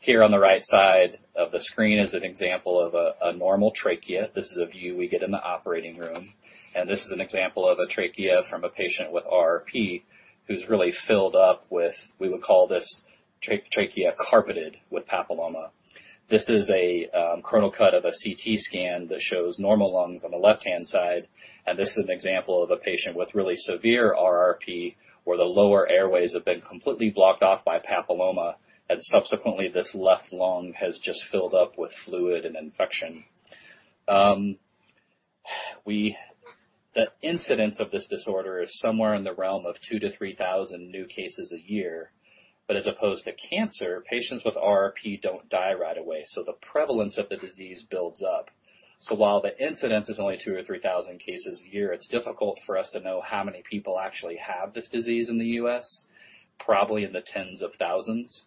Here on the right side of the screen is an example of a normal trachea. This is a view we get in the operating room, and this is an example of a trachea from a patient with RRP who's really filled up with, we would call this trachea carpeted with papilloma. This is a coronal cut of a CT scan that shows normal lungs on the left-hand side, and this is an example of a patient with really severe RRP, where the lower airways have been completely blocked off by papilloma, and subsequently, this left lung has just filled up with fluid and infection. The incidence of this disorder is somewhere in the realm of 2-3,000 new cases a year. As opposed to cancer, patients with RRP don't die right away, so the prevalence of the disease builds up. While the incidence is only 2-3,000 cases a year, it's difficult for us to know how many people actually have this disease in the U.S., probably in the tens of thousands.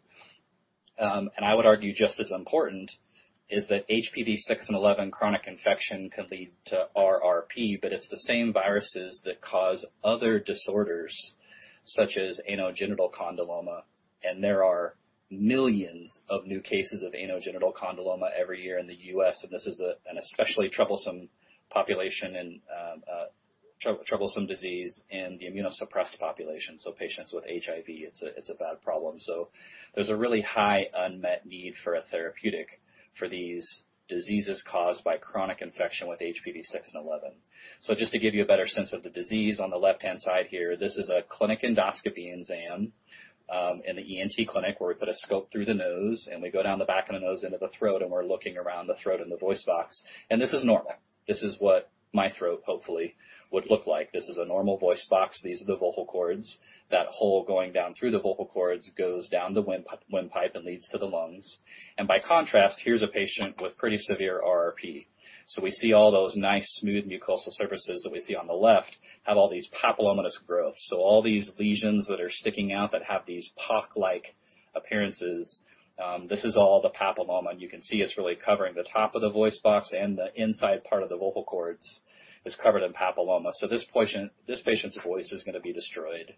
I would argue just as important is that HPV-6 and HPV-11 chronic infection can lead to RRP, but it's the same viruses that cause other disorders such as anogenital condyloma, and there are millions of new cases of anogenital condyloma every year in the U.S., and this is an especially troublesome population and troublesome disease in the immunosuppressed population. Patients with HIV, it's a bad problem. There's a really high unmet need for a therapeutic for these diseases caused by chronic infection with HPV 6 and HPV 11. Just to give you a better sense of the disease, on the left-hand side here, this is a clinic endoscopy exam in the ENT clinic where we put a scope through the nose and we go down the back of the nose into the throat, and we're looking around the throat and the voice box. This is normal. This is what my throat hopefully would look like. This is a normal voice box. These are the vocal cords. That hole going down through the vocal cords goes down the windpipe and leads to the lungs. By contrast, here's a patient with pretty severe RRP. We see all those nice, smooth mucosal surfaces that we see on the left have all these papillomatous growth. All these lesions that are sticking out that have these pock-like appearances, this is all the papilloma. You can see it's really covering the top of the voice box, and the inside part of the vocal cords is covered in papilloma. This patient's voice is gonna be destroyed.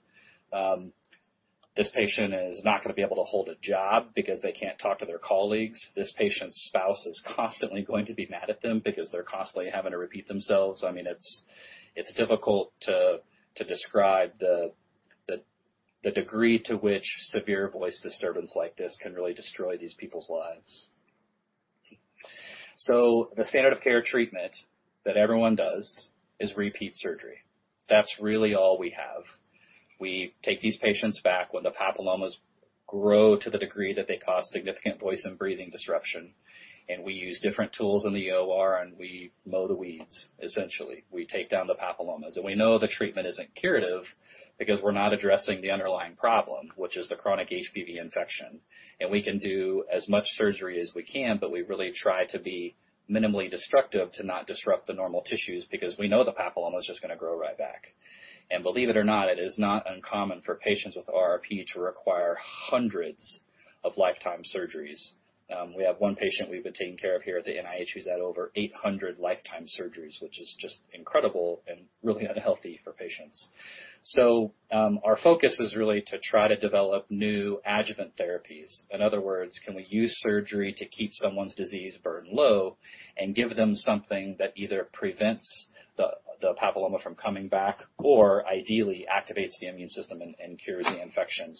This patient is not gonna be able to hold a job because they can't talk to their colleagues. This patient's spouse is constantly going to be mad at them because they're constantly having to repeat themselves. I mean, it's difficult to describe the degree to which severe voice disturbance like this can really destroy these people's lives. The standard of care treatment that everyone does is repeat surgery. That's really all we have. We take these patients back when the papillomas grow to the degree that they cause significant voice and breathing disruption, and we use different tools in the OR, and we mow the weeds, essentially. We take down the papillomas, and we know the treatment isn't curative because we're not addressing the underlying problem, which is the chronic HPV infection. We can do as much surgery as we can, but we really try to be minimally destructive to not disrupt the normal tissues because we know the papilloma is just gonna grow right back. Believe it or not, it is not uncommon for patients with RRP to require hundreds of lifetime surgeries. We have one patient we've been taking care of here at the NIH who's had over 800 lifetime surgeries, which is just incredible and really unhealthy for patients. Our focus is really to try to develop new adjuvant therapies. In other words, can we use surgery to keep someone's disease burden low and give them something that either prevents the papilloma from coming back or ideally activates the immune system and cures the infection?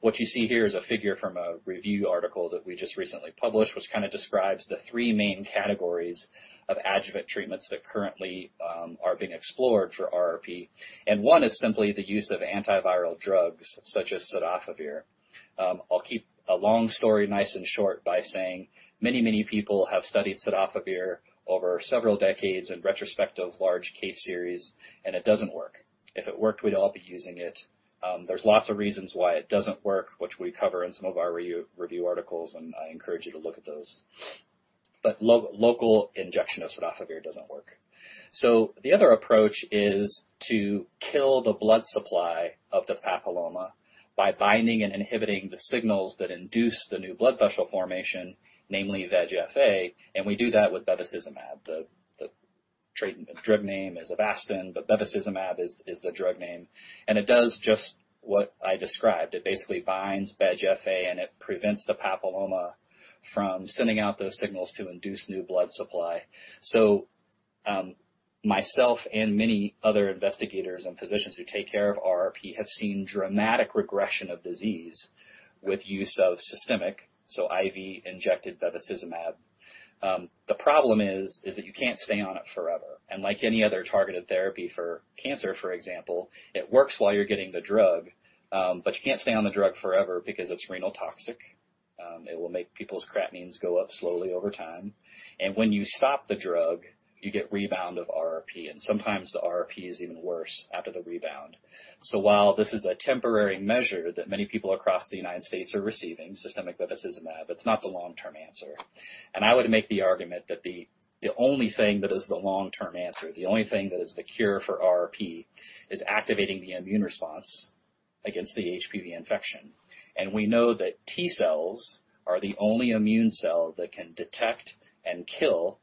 What you see here is a figure from a review article that we just recently published, which kinda describes the three main categories of adjuvant treatments that currently are being explored for RRP. One is simply the use of antiviral drugs such as cidofovir. I'll keep a long story nice and short by saying many, many people have studied cidofovir over several decades in retrospective large case series, and it doesn't work. If it worked, we'd all be using it. There's lots of reasons why it doesn't work, which we cover in some of our review articles, and I encourage you to look at those. Local injection of cidofovir doesn't work. The other approach is to kill the blood supply of the papilloma by binding and inhibiting the signals that induce the new blood vessel formation, namely VEGF-A, and we do that with bevacizumab. The trade name is Avastin, but bevacizumab is the drug name, and it does just what I described. It basically binds VEGF-A, and it prevents the papilloma from sending out those signals to induce new blood supply. Myself and many other investigators and physicians who take care of RRP have seen dramatic regression of disease with use of systemic, so IV-injected bevacizumab. The problem is that you can't stay on it forever. Like any other targeted therapy for cancer, for example, it works while you're getting the drug, but you can't stay on the drug forever because it's renal toxic. It will make people's creatinines go up slowly over time. When you stop the drug, you get rebound of RRP, and sometimes the RRP is even worse after the rebound. While this is a temporary measure that many people across the United States are receiving, systemic bevacizumab, it's not the long-term answer. I would make the argument that the only thing that is the long-term answer, the only thing that is the cure for RRP, is activating the immune response against the HPV infection. We know that T-cells are the only immune cell that can detect and kill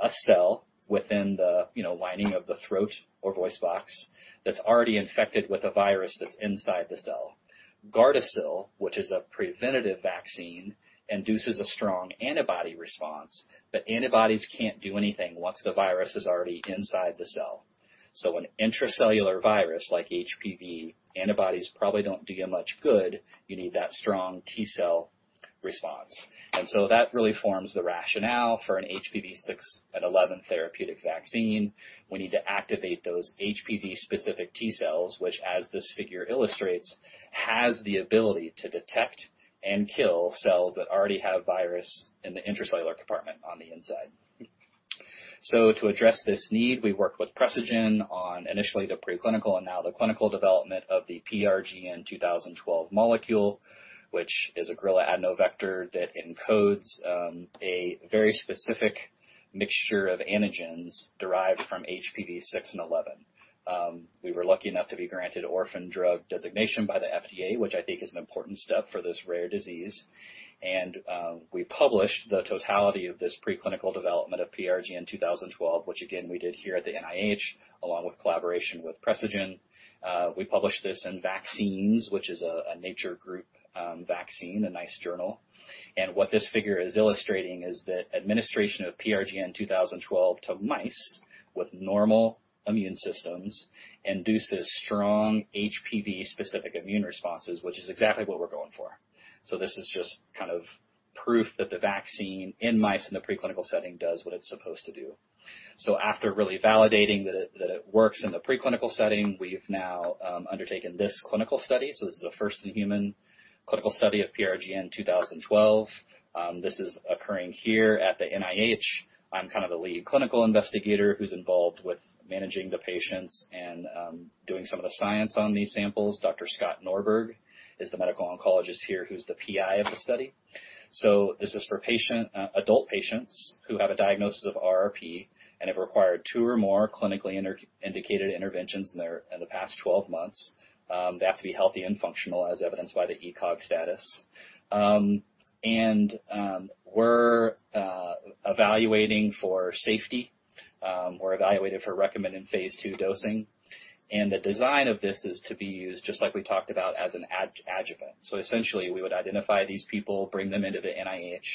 a cell within the, you know, lining of the throat or voice box that's already infected with a virus that's inside the cell. Gardasil, which is a preventative vaccine, induces a strong antibody response, but antibodies can't do anything once the virus is already inside the cell. An intracellular virus like HPV, antibodies probably don't do you much good. You need that strong T-cell response. That really forms the rationale for an HPV six and eleven therapeutic vaccine. We need to activate those HPV-specific T-cells, which, as this figure illustrates, has the ability to detect and kill cells that already have virus in the intracellular compartment on the inside. To address this need, we worked with Precigen on initially the preclinical and now the clinical development of the PRGN 2012 molecule, which is a gorilla adenovirus that encodes a very specific mixture of antigens derived from HPV 6 and HPV 11. We were lucky enough to be granted orphan drug designation by the FDA, which I think is an important step for this rare disease. We published the totality of this preclinical development of PRGN 2012, which again, we did here at the NIH along with collaboration with Precigen. We published this in npj Vaccines, which is a Nature group vaccine, a nice journal. What this figure is illustrating is that administration of PRGN 2012 to mice with normal immune systems induces strong HPV specific immune responses, which is exactly what we're going for. This is just kind of proof that the vaccine in mice in the preclinical setting does what it's supposed to do. After really validating that it works in the preclinical setting, we've now undertaken this clinical study. This is the first in-human clinical study of PRGN 2012. This is occurring here at the NIH. I'm kind of the lead clinical investigator who's involved with managing the patients and doing some of the science on these samples. Dr. Scott Norberg is the medical oncologist here who's the PI of the study. This is for adult patients who have a diagnosis of RRP and have required two or more clinically indicated interventions in the past 12 months. They have to be healthy and functional as evidenced by the ECOG status. We're evaluating for safety, or evaluating for recommended phase II dosing. The design of this is to be used just like we talked about as an adjuvant. We would identify these people, bring them into the NIH.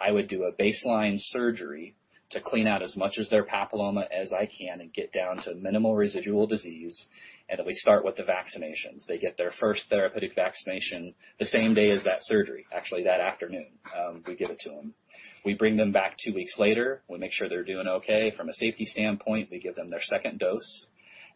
I would do a baseline surgery to clean out as much of their papilloma as I can and get down to minimal residual disease, and then we start with the vaccinations. They get their first therapeutic vaccination the same day as that surgery, actually, that afternoon, we give it to them. We bring them back two weeks later. We make sure they're doing okay from a safety standpoint. We give them their second dose.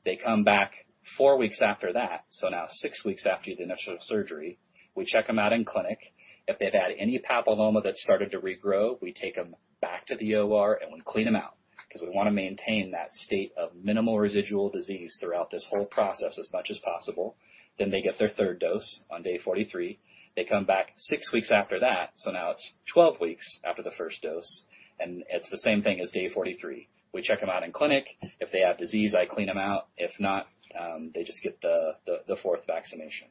They come back four weeks after that, so now six weeks after the initial surgery. We check them out in clinic. If they've had any papilloma that started to regrow, we take them back to the OR, and we clean them out 'cause we wanna maintain that state of minimal residual disease throughout this whole process as much as possible. They get their third dose on day 43. They come back six weeks after that, so now it's 12 weeks after the first dose, and it's the same thing as day 43. We check them out in clinic. If they have disease, I clean them out. If not, they just get the fourth vaccination.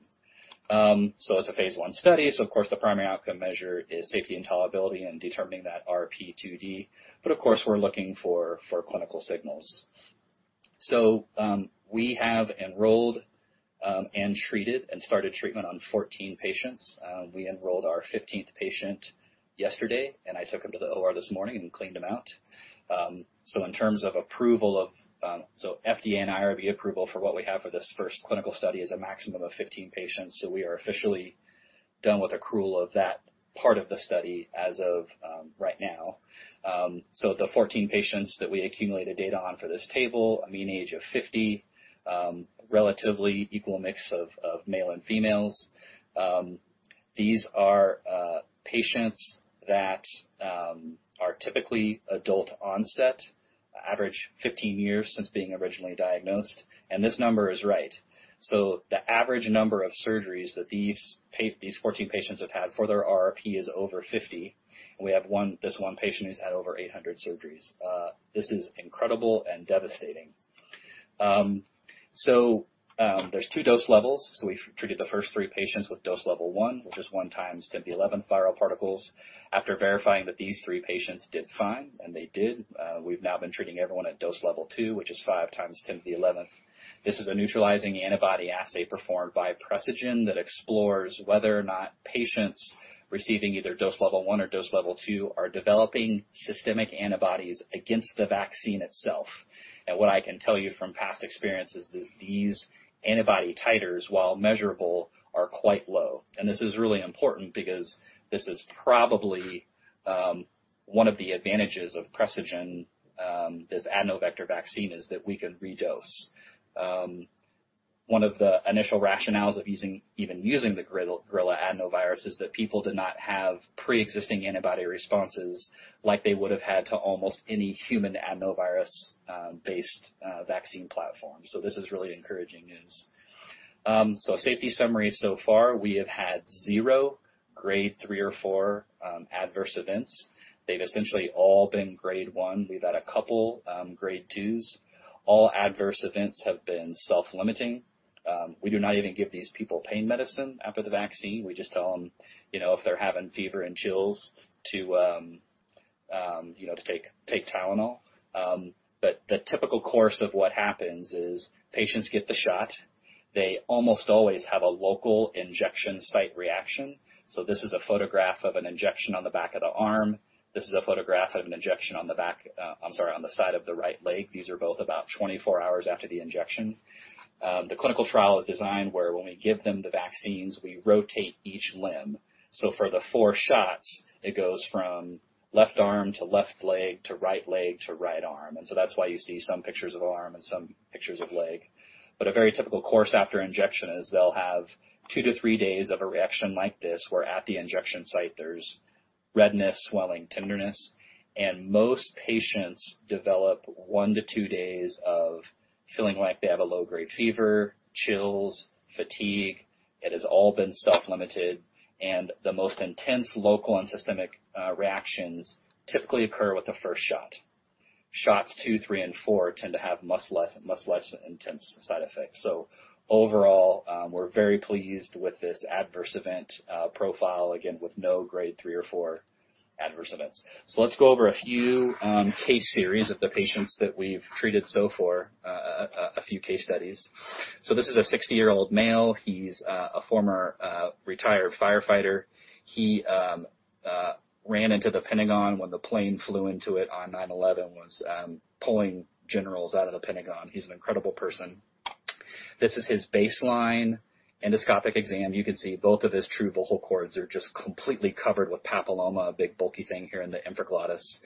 It's a phase I study, so of course, the primary outcome measure is safety and tolerability and determining that RP2D. Of course, we're looking for clinical signals. We have enrolled and treated and started treatment on 14 patients. We enrolled our 15th patient yesterday, and I took him to the OR this morning and cleaned him out. FDA and IRB approval for what we have for this first clinical study is a maximum of 15 patients. We are officially done with accrual of that part of the study as of right now. The 14 patients that we accumulated data on for this table, a mean age of 50, relatively equal mix of male and females. These are patients that are typically adult onset, average 15 years since being originally diagnosed, and this number is right. The average number of surgeries that these 14 patients have had for their RRP is over 50. We have one, this one patient who's had over 800 surgeries. This is incredible and devastating. There's two dose levels. We've treated the first three patients with dose level one, which is 1 x 10^11 viral particles. After verifying that these three patients did fine, and they did, we've now been treating everyone at dose level two, which is 5 x 10^11. This is a neutralizing antibody assay performed by Precigen that explores whether or not patients receiving either dose level one or dose level two are developing systemic antibodies against the vaccine itself. What I can tell you from past experience is that these antibody titers, while measurable, are quite low. This is really important because this is probably one of the advantages of Precigen, this adeno vector vaccine, is that we can redose. One of the initial rationales of using, even using the gorilla adenovirus is that people did not have pre-existing antibody responses like they would have had to almost any human adenovirus based vaccine platform. This is really encouraging news. Safety summary. So far, we have had zero grade three or four adverse events. They've essentially all been grade one. We've had a couple grade twos. All adverse events have been self-limiting. We do not even give these people pain medicine after the vaccine. We just tell them, you know, if they're having fever and chills to, you know, to take Tylenol. The typical course of what happens is patients get the shot. They almost always have a local injection site reaction. This is a photograph of an injection on the back of the arm. This is a photograph of an injection on the side of the right leg. These are both about 24 hours after the injection. The clinical trial is designed where when we give them the vaccines, we rotate each limb. So for the four shots, it goes from left arm to left leg to right leg to right arm. That's why you see some pictures of arm and some pictures of leg. A very typical course after injection is they'll have 2 days-3 days of a reaction like this, where at the injection site, there's redness, swelling, tenderness. Most patients develop 1-2 days of feeling like they have a low-grade fever, chills, fatigue. It has all been self-limited, and the most intense local and systemic reactions typically occur with the first shot. Shots two, three, and four tend to have much less intense side effects. Overall, we're very pleased with this adverse event profile, again, with no grade three or grade four adverse events. Let's go over a few case series of the patients that we've treated so far, a few case studies. This is a 60-year-old male. He's a former retired firefighter. He ran into the Pentagon when the plane flew into it on 9/11, was pulling generals out of the Pentagon. He's an incredible person. This is his baseline endoscopic exam. You can see both of his true vocal cords are just completely covered with papilloma, a big bulky thing here in the epiglottis.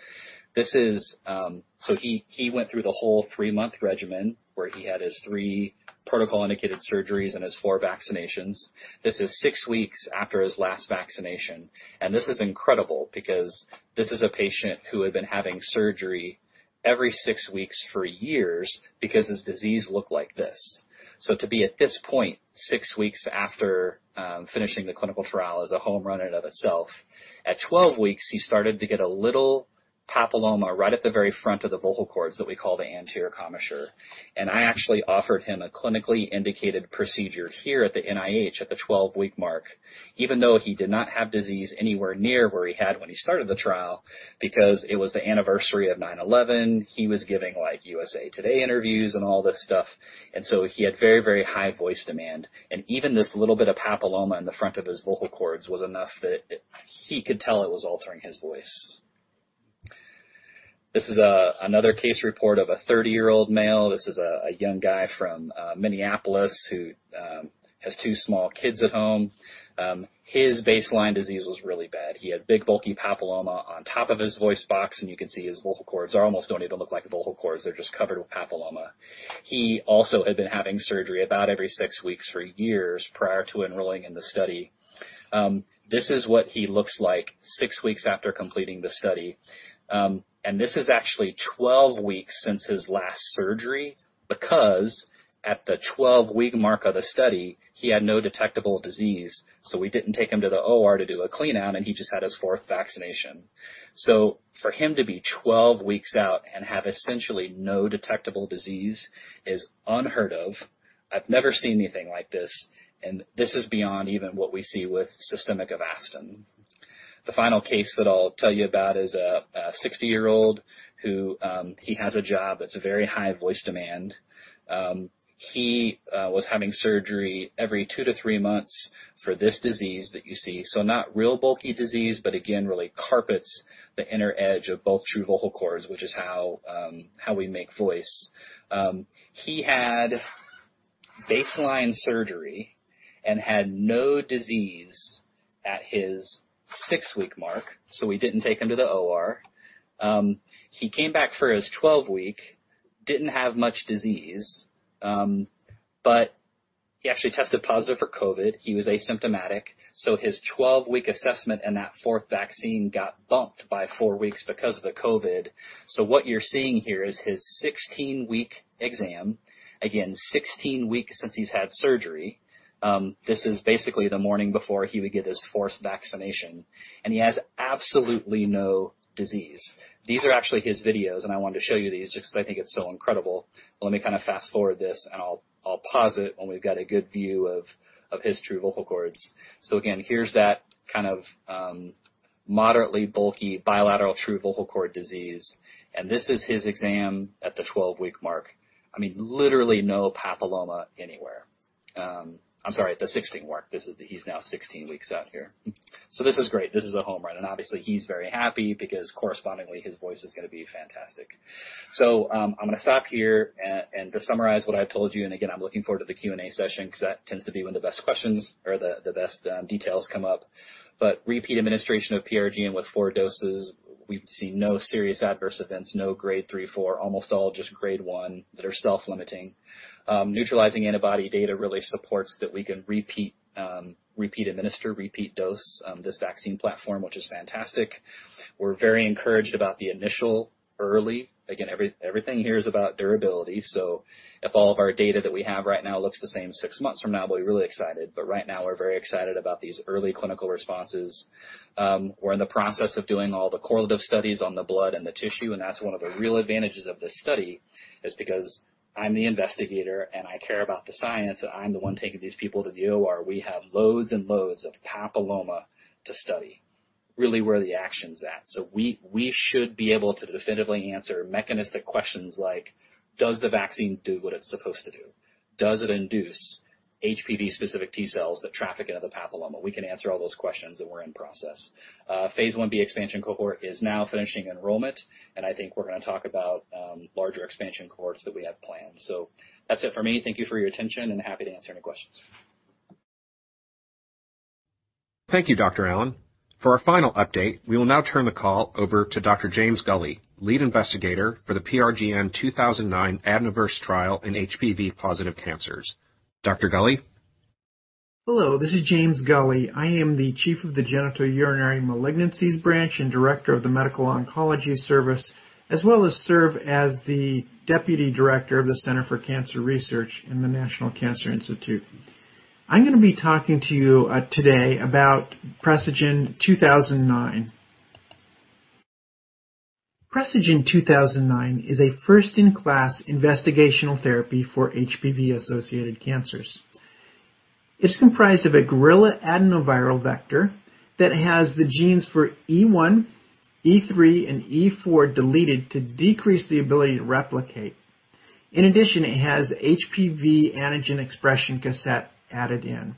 This is He went through the whole three-month regimen where he had his three protocol indicated surgeries and his four vaccinations. This is six weeks after his last vaccination, and this is incredible because this is a patient who had been having surgery every six weeks for years because his disease looked like this. To be at this point, six weeks after finishing the clinical trial, is a home run in and of itself. At 12 weeks, he started to get a little papilloma right at the very front of the vocal cords that we call the anterior commissure. I actually offered him a clinically indicated procedure here at the NIH at the 12-week mark even though he did not have disease anywhere near where he had when he started the trial because it was the anniversary of 9/11. He was giving, like, USA Today interviews and all this stuff, so he had very, very high voice demand. Even this little bit of papilloma in the front of his vocal cords was enough that he could tell it was altering his voice. This is another case report of a 30-year-old male. This is a young guy from Minneapolis who has two small kids at home. His baseline disease was really bad. He had big bulky papilloma on top of his voice box, and you can see his vocal cords almost don't even look like vocal cords. They're just covered with papilloma. He also had been having surgery about every six weeks for years prior to enrolling in the study. This is what he looks like six weeks after completing the study. This is actually 12 weeks since his last surgery because at the 12-week mark of the study, he had no detectable disease. We didn't take him to the OR to do a clean-out, and he just had his fourth vaccination. For him to be 12 weeks out and have essentially no detectable disease is unheard of. I've never seen anything like this, and this is beyond even what we see with systemic Avastin. The final case that I'll tell you about is a 60-year-old who he has a job that's a very high voice demand. He was having surgery every 2-3 months for this disease that you see. Not real bulky disease, but again, really carpets the inner edge of both true vocal cords, which is how we make voice. He had baseline surgery and had no disease at his six week mark, so we didn't take him to the OR. He came back for his 12-week, didn't have much disease, but he actually tested positive for COVID. He was asymptomatic, so his 12-week assessment and that fourth vaccine got bumped by four weeks because of the COVID. What you're seeing here is his 16-week exam. Again, 16 weeks since he's had surgery. This is basically the morning before he would get his fourth vaccination, and he has absolutely no disease. These are actually his videos, and I wanted to show you these just 'cause I think it's so incredible. Let me kind of fast-forward this, and I'll pause it when we've got a good view of his true vocal cords. Again, here's that kind of, moderately bulky bilateral true vocal cord disease. This is his exam at the 12-week mark. I mean, literally no papilloma anywhere. I'm sorry, the 16 mark. He's now 16 weeks out here. This is great. This is a home run. Obviously, he's very happy because correspondingly, his voice is gonna be fantastic. I'm gonna stop here and to summarize what I've told you, and again, I'm looking forward to the Q&A session 'cause that tends to be when the best questions or the best details come up. Repeat administration of PRGN with four doses, we've seen no serious adverse events, no grade three, grade four, almost all just grade one that are self-limiting. Neutralizing antibody data really supports that we can repeat administer, repeat dose this vaccine platform, which is fantastic. We're very encouraged about the initial. Again, everything here is about durability, so if all of our data that we have right now looks the same six months from now, we'll be really excited. Right now, we're very excited about these early clinical responses. We're in the process of doing all the correlative studies on the blood and the tissue, and that's one of the real advantages of this study, is because I'm the investigator and I care about the science. I'm the one taking these people to the OR. We have loads and loads of papilloma to study, really where the action's at. We should be able to definitively answer mechanistic questions like, "Does the vaccine do what it's supposed to do? Does it induce HPV specific T-cells that traffic into the papilloma? We can answer all those questions that we're in process. Phase IB expansion cohort is now finishing enrollment, and I think we're going to talk about larger expansion cohorts that we have planned. That's it for me. Thank you for your attention and happy to answer any questions. Thank you, Dr. Allen. For our final update, we will now turn the call over to Dr. James Gulley, lead investigator for the PRGN-2009 AdenoVerse trial in HPV-positive cancers. Dr. Gulley? Hello, this is James Gulley. I am the Chief of the Genitourinary Malignancies Branch and Director of the Medical Oncology Service, as well as serve as the Deputy Director of the Center for Cancer Research in the National Cancer Institute. I'm gonna be talking to you today about PRGN-2009. PRGN-2009 is a first-in-class investigational therapy for HPV-associated cancers. It's comprised of a gorilla adenoviral vector that has the genes for E1, E3, and E4 deleted to decrease the ability to replicate. In addition, it has HPV antigen expression cassette added in.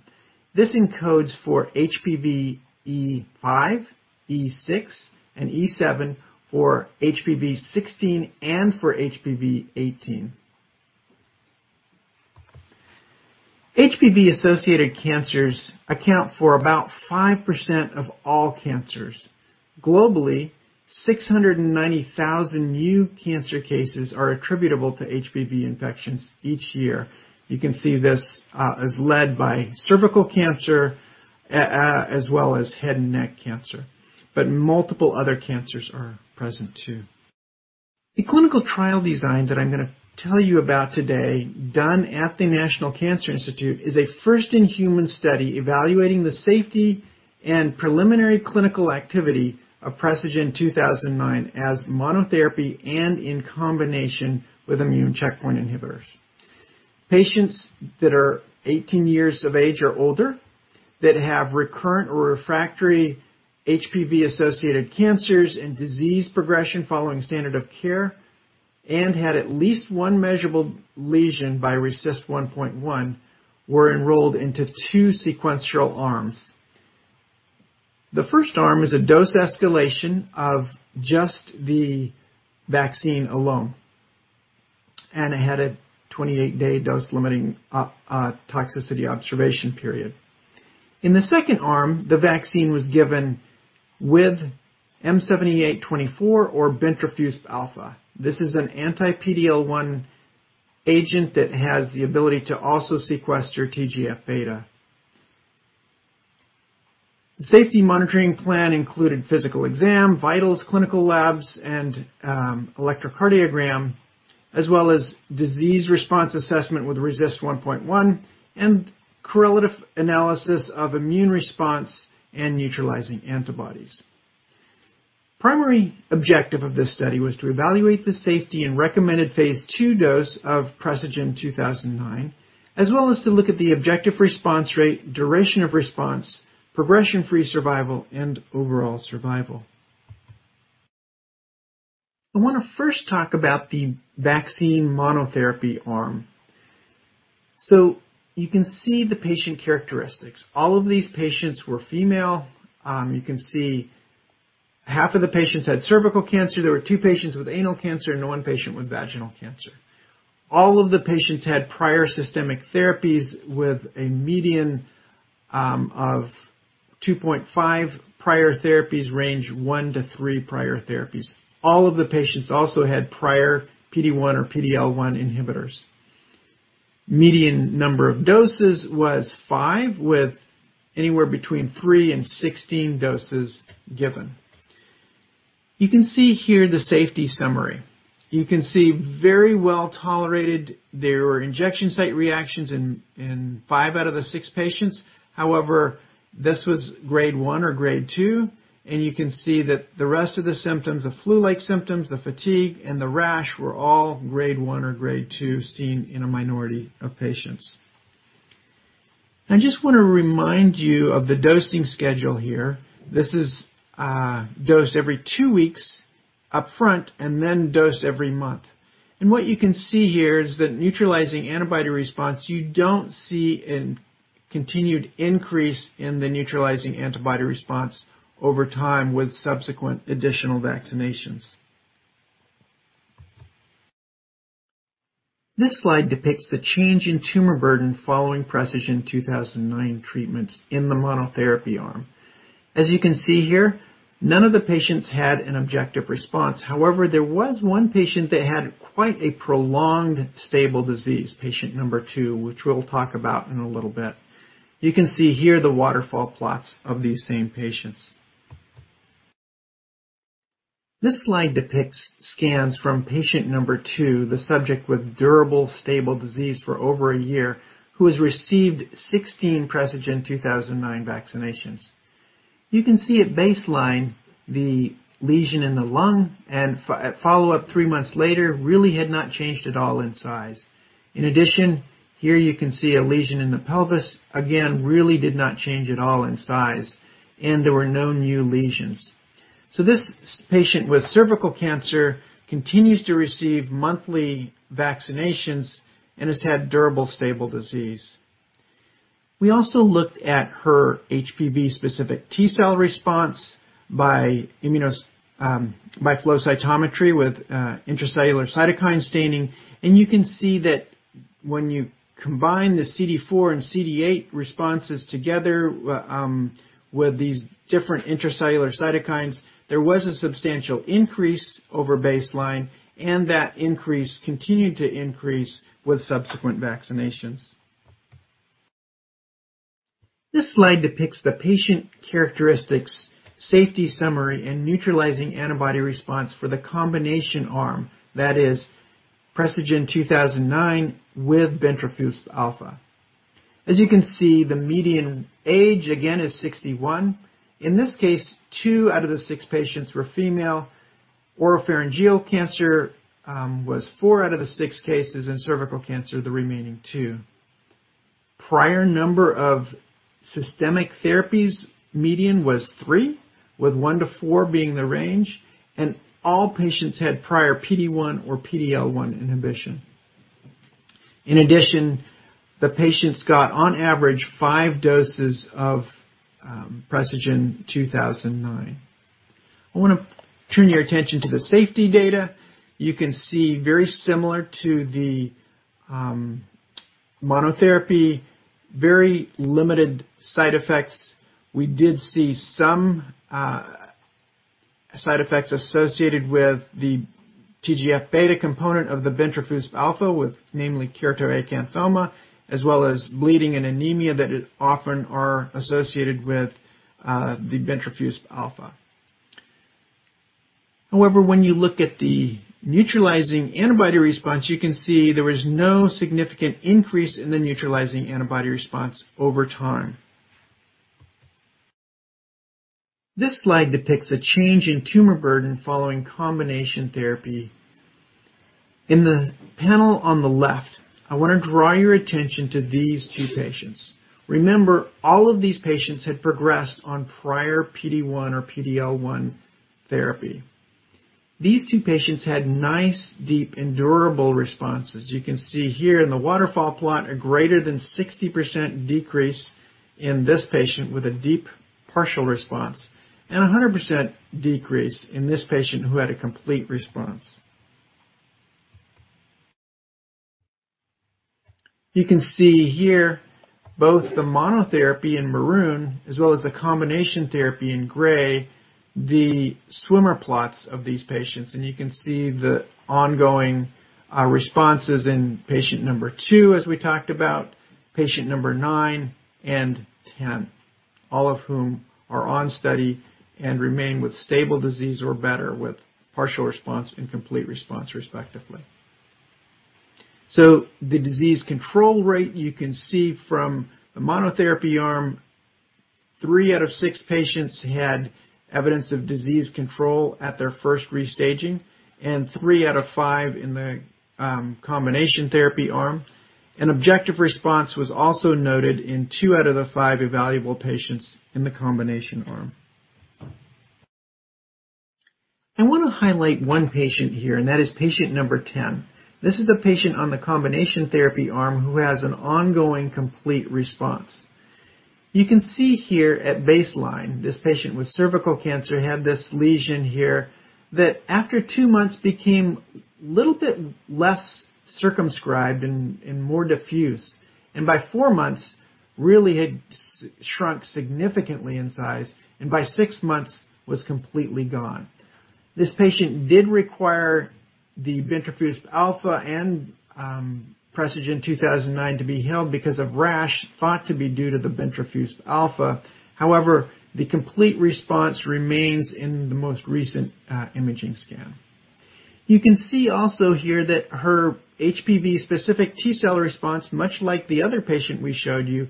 This encodes for HPV E5, E6, and E7 for HPV-16 and for HPV-18. HPV-associated cancers account for about 5% of all cancers. Globally, 690,000 new cancer cases are attributable to HPV infections each year. You can see this is led by cervical cancer, as well as head and neck cancer. Multiple other cancers are present too. The clinical trial design that I'm gonna tell you about today, done at the National Cancer Institute, is a first-in-human study evaluating the safety and preliminary clinical activity of PRGN-2009 as monotherapy and in combination with immune checkpoint inhibitors. Patients that are 18 years of age or older that have recurrent or refractory HPV-associated cancers and disease progression following standard of care and had at least one measurable lesion by RECIST 1.1 were enrolled into two sequential arms. The first arm is a dose escalation of just the vaccine alone, and it had a 28-day dose-limiting toxicity observation period. In the second arm, the vaccine was given with M7824 or bintrafusp alfa. This is an anti-PD-L1 agent that has the ability to also sequester TGF-β. The safety monitoring plan included physical exam, vitals, clinical labs, and electrocardiogram, as well as disease response assessment with RECIST 1.1 and correlative analysis of immune response and neutralizing antibodies. Primary objective of this study was to evaluate the safety and recommended phase II dose of PRGN-2009, as well as to look at the objective response rate, duration of response, progression-free survival, and overall survival. I wanna first talk about the vaccine monotherapy arm. You can see the patient characteristics. All of these patients were female. You can see half of the patients had cervical cancer. There were two patients with anal cancer and one patient with vaginal cancer. All of the patients had prior systemic therapies with a median of 2.5 prior therapies, range 1-3 prior therapies. All of the patients also had prior PD-1 or PD-L1 inhibitors. Median number of doses was five, with anywhere between 3-16 doses given. You can see here the safety summary. You can see very well tolerated. There were injection site reactions in five out of the six patients. However, this was grade one or grade two, and you can see that the rest of the symptoms, the flu-like symptoms, the fatigue, and the rash, were all grade one or grade two, seen in a minority of patients. I just want to remind you of the dosing schedule here. This is dosed every two weeks up front and then dosed every month. What you can see here is the neutralizing antibody response. You don't see a continued increase in the neutralizing antibody response over time with subsequent additional vaccinations. This slide depicts the change in tumor burden following PRGN-2009 treatments in the monotherapy arm. As you can see here, none of the patients had an objective response. However, there was one patient that had quite a prolonged stable disease, patient number two, which we'll talk about in a little bit. You can see here the waterfall plots of these same patients. This slide depicts scans from patient number two, the subject with durable stable disease for over a year, who has received 16 PRGN-2009 vaccinations. You can see at baseline the lesion in the lung and follow-up three months later really had not changed at all in size. In addition, here you can see a lesion in the pelvis, again, really did not change at all in size, and there were no new lesions. This patient with cervical cancer continues to receive monthly vaccinations and has had durable stable disease. We also looked at her HPV-specific T-cell response by flow cytometry with intracellular cytokine staining. You can see that when you combine the CD4 and CD8 responses together with these different intracellular cytokines, there was a substantial increase over baseline, and that increase continued to increase with subsequent vaccinations. This slide depicts the patient characteristics, safety summary, and neutralizing antibody response for the combination arm, that is, PRGN-2009 with bintrafusp alfa. As you can see, the median age again is 61. In this case, two out of the six patients were female. Oropharyngeal cancer was four out of the six cases, and cervical cancer, the remaining two. Prior number of systemic therapies, median was three, with 1-4 being the range, and all patients had prior PD-1 or PD-L1 inhibition. In addition, the patients got on average five doses of Precigen PRGN-2009. I want to turn your attention to the safety data. You can see very similar to the monotherapy, very limited side effects. We did see some side effects associated with the TGF-β component of the bintrafusp alfa with namely keratoacanthoma, as well as bleeding and anemia that often are associated with the bintrafusp alfa. However, when you look at the neutralizing antibody response, you can see there was no significant increase in the neutralizing antibody response over time. This slide depicts a change in tumor burden following combination therapy. In the panel on the left, I want to draw your attention to these two patients. Remember, all of these patients had progressed on prior PD-1 or PD-L1 therapy. These two patients had nice, deep and durable responses. You can see here in the waterfall plot a greater than 60% decrease in this patient with a deep partial response, and 100% decrease in this patient who had a complete response. You can see here both the monotherapy in maroon as well as the combination therapy in gray, the swimmer plots of these patients, and you can see the ongoing responses in patient number two as we talked about, patient number nine and 10. All of whom are on study and remain with stable disease or better with partial response and complete response, respectively. The disease control rate you can see from the monotherapy arm, three out of six patients had evidence of disease control at their first restaging and three out of five in the combination therapy arm. An objective response was also noted in two out of the five evaluable patients in the combination arm. I want to highlight one patient here, and that is patient number 10. This is the patient on the combination therapy arm who has an ongoing complete response. You can see here at baseline, this patient with cervical cancer had this lesion here that after two months became little bit less circumscribed and more diffuse. By four months really had shrunk significantly in size and by six months was completely gone. This patient did require the bintrafusp alfa and, Precigen 2009 to be held because of rash thought to be due to the bintrafusp alfa. However, the complete response remains in the most recent, imaging scan. You can see also here that her HPV specific T-cell response, much like the other patient we showed you,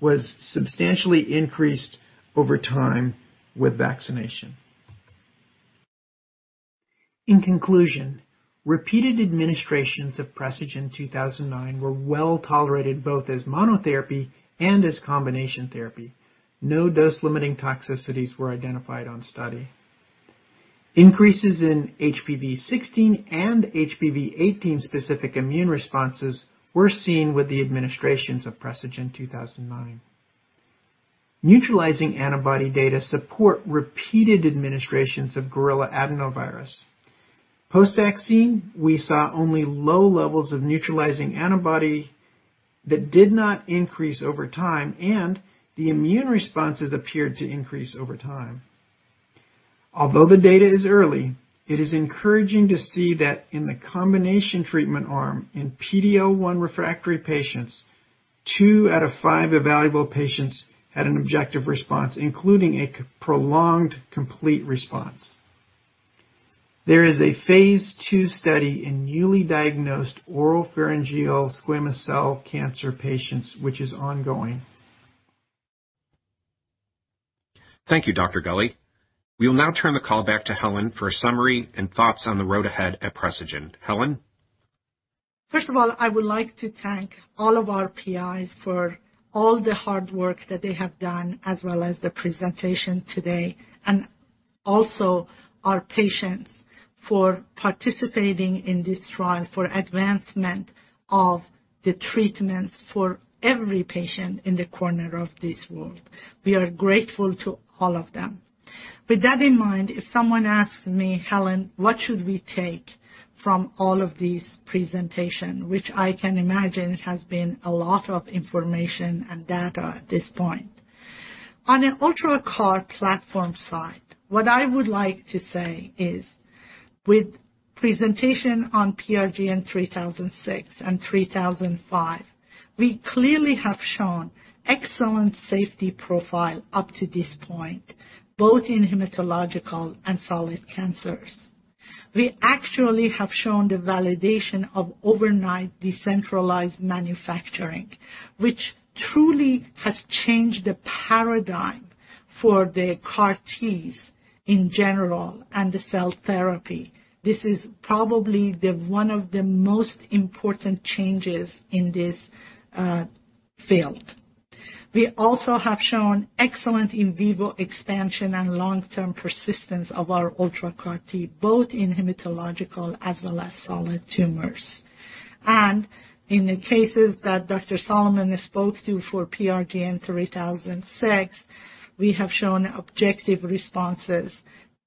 was substantially increased over time with vaccination. In conclusion, repeated administrations of Precigen 2009 were well tolerated, both as monotherapy and as combination therapy. No dose limiting toxicities were identified on study. Increases in HPV-16 and HPV-18 specific immune responses were seen with the administrations of Precigen 2009. Neutralizing antibody data support repeated administrations of gorilla adenovirus. Post-vaccine, we saw only low levels of neutralizing antibody that did not increase over time, and the immune responses appeared to increase over time. Although the data is early, it is encouraging to see that in the combination treatment arm in PD-L1 refractory patients, two out of five evaluable patients had an objective response, including a prolonged complete response. There is a phase II study in newly diagnosed oropharyngeal squamous cell cancer patients, which is ongoing. Thank you, Dr. Gulley. We will now turn the call back to Helen for a summary and thoughts on the road ahead at Precigen. Helen? First of all, I would like to thank all of our PIs for all the hard work that they have done as well as the presentation today. Also our patients for participating in this trial for advancement of the treatments for every patient in every corner of this world. We are grateful to all of them. With that in mind, if someone asks me, "Helen, what should we take from all of these presentations?" Which I can imagine it has been a lot of information and data at this point. On an UltraCAR platform side, what I would like to say is with presentation on PRGN-3006 and 3005, we clearly have shown excellent safety profile up to this point, both in hematological and solid cancers. We actually have shown the validation of overnight decentralized manufacturing, which truly has changed the paradigm for the CAR Ts in general and the cell therapy. This is probably the one of the most important changes in this field. We also have shown excellent in vivo expansion and long-term persistence of our UltraCAR-T, both in hematological as well as solid tumors. In the cases that Dr. Solomon spoke to for PRGN-3006, we have shown objective responses,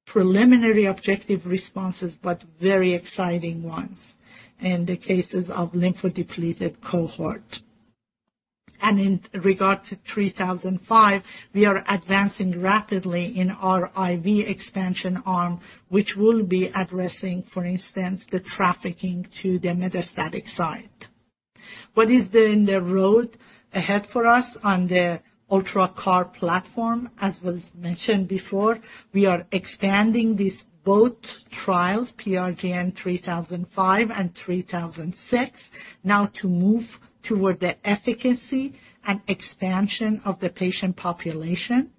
preliminary objective responses, but very exciting ones in the cases of lymphodepleted cohort. In regard to 3005, we are advancing rapidly in our in vivo expansion arm, which will be addressing, for instance, the trafficking to the metastatic site. What is in the road ahead for us on the UltraCAR platform? As was mentioned before, we are expanding these both trials, PRGN-3005 and PRGN-3006, now to move toward the efficacy and expansion of the patient population.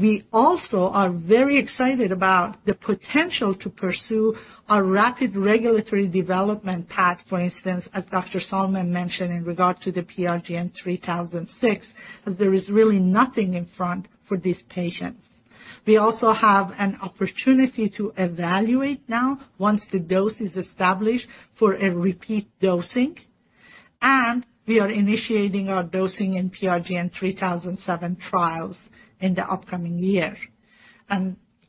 We also are very excited about the potential to pursue a rapid regulatory development path, for instance, as Dr. David Sallman mentioned in regard to the PRGN-3006, as there is really nothing in front for these patients. We also have an opportunity to evaluate now, once the dose is established for a repeat dosing. We are initiating our dosing in PRGN-3007 trials in the upcoming year.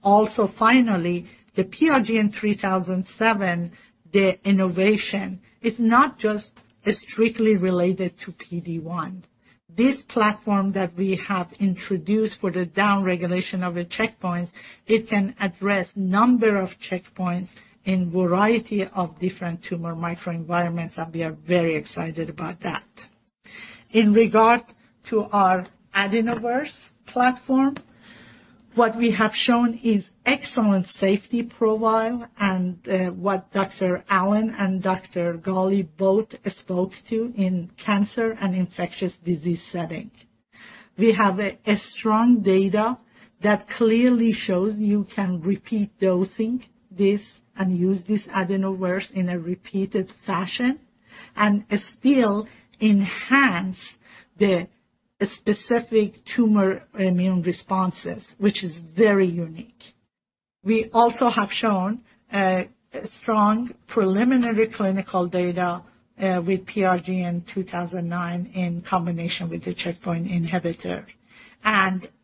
Also finally, the PRGN-3007, the innovation is not just strictly related to PD-1. This platform that we have introduced for the downregulation of a checkpoint, it can address a number of checkpoints in a variety of different tumor microenvironments, and we are very excited about that. In regard to our AdenoVerse platform, what we have shown is an excellent safety profile and what Dr. Allen and Dr. Gulley both spoke to in cancer and infectious disease setting. We have strong data that clearly shows you can repeat dosing this and use this AdenoVerse in a repeated fashion and still enhance the specific tumor immune responses, which is very unique. We also have shown strong preliminary clinical data with PRGN-2009 in combination with the checkpoint inhibitor.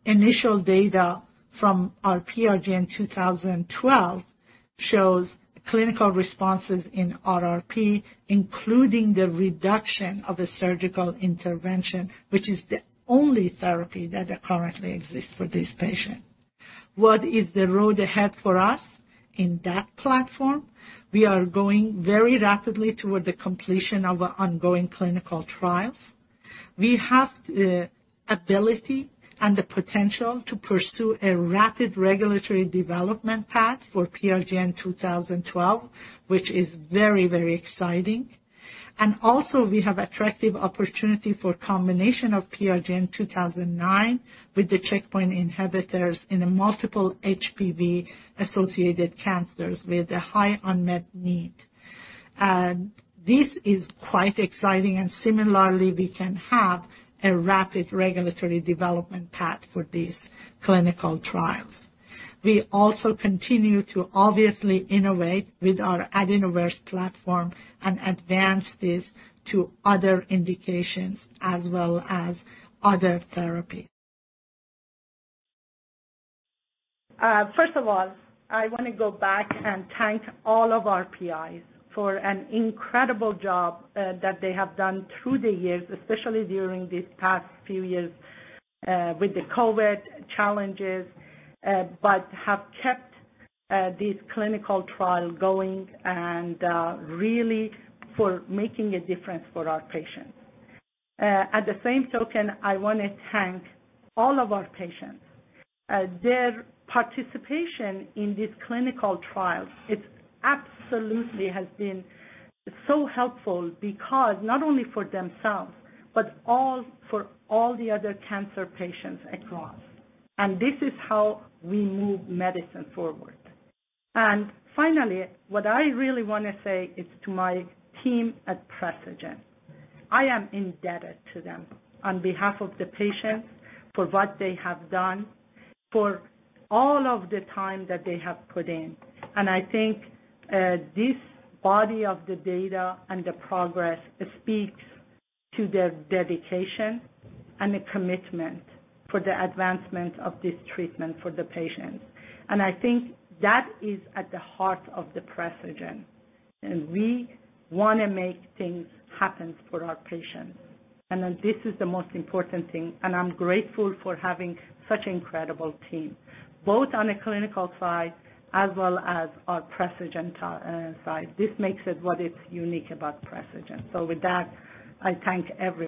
Initial data from our PRGN-2012 shows clinical responses in RRP, including the reduction of a surgical intervention, which is the only therapy that currently exists for this patient. What is the road ahead for us in that platform? We are going very rapidly toward the completion of our ongoing clinical trials. We have the ability and the potential to pursue a rapid regulatory development path for PRGN-2012, which is very, very exciting. Also we have attractive opportunity for combination of PRGN-2009 with the checkpoint inhibitors in multiple HPV-associated cancers with a high unmet need. This is quite exciting, and similarly we can have a rapid regulatory development path for these clinical trials. We also continue to obviously innovate with our AdenoVerse platform and advance this to other indications as well as other therapies. First of all, I wanna go back and thank all of our PIs for an incredible job that they have done through the years, especially during these past few years with the COVID challenges, but have kept this clinical trial going and really for making a difference for our patients. At the same token, I wanna thank all of our patients. Their participation in this clinical trial, it's absolutely has been so helpful because not only for themselves, but for all the other cancer patients across. This is how we move medicine forward. Finally, what I really wanna say is to my team at Precigen, I am indebted to them on behalf of the patients for what they have done, for all of the time that they have put in. I think this body of the data and the progress speaks to their dedication and the commitment for the advancement of this treatment for the patients. I think that is at the heart of Precigen, and we wanna make things happen for our patients. This is the most important thing, and I'm grateful for having such incredible team, both on a clinical side as well as our Precigen side. This is what makes it unique about Precigen. With that, I thank everyone.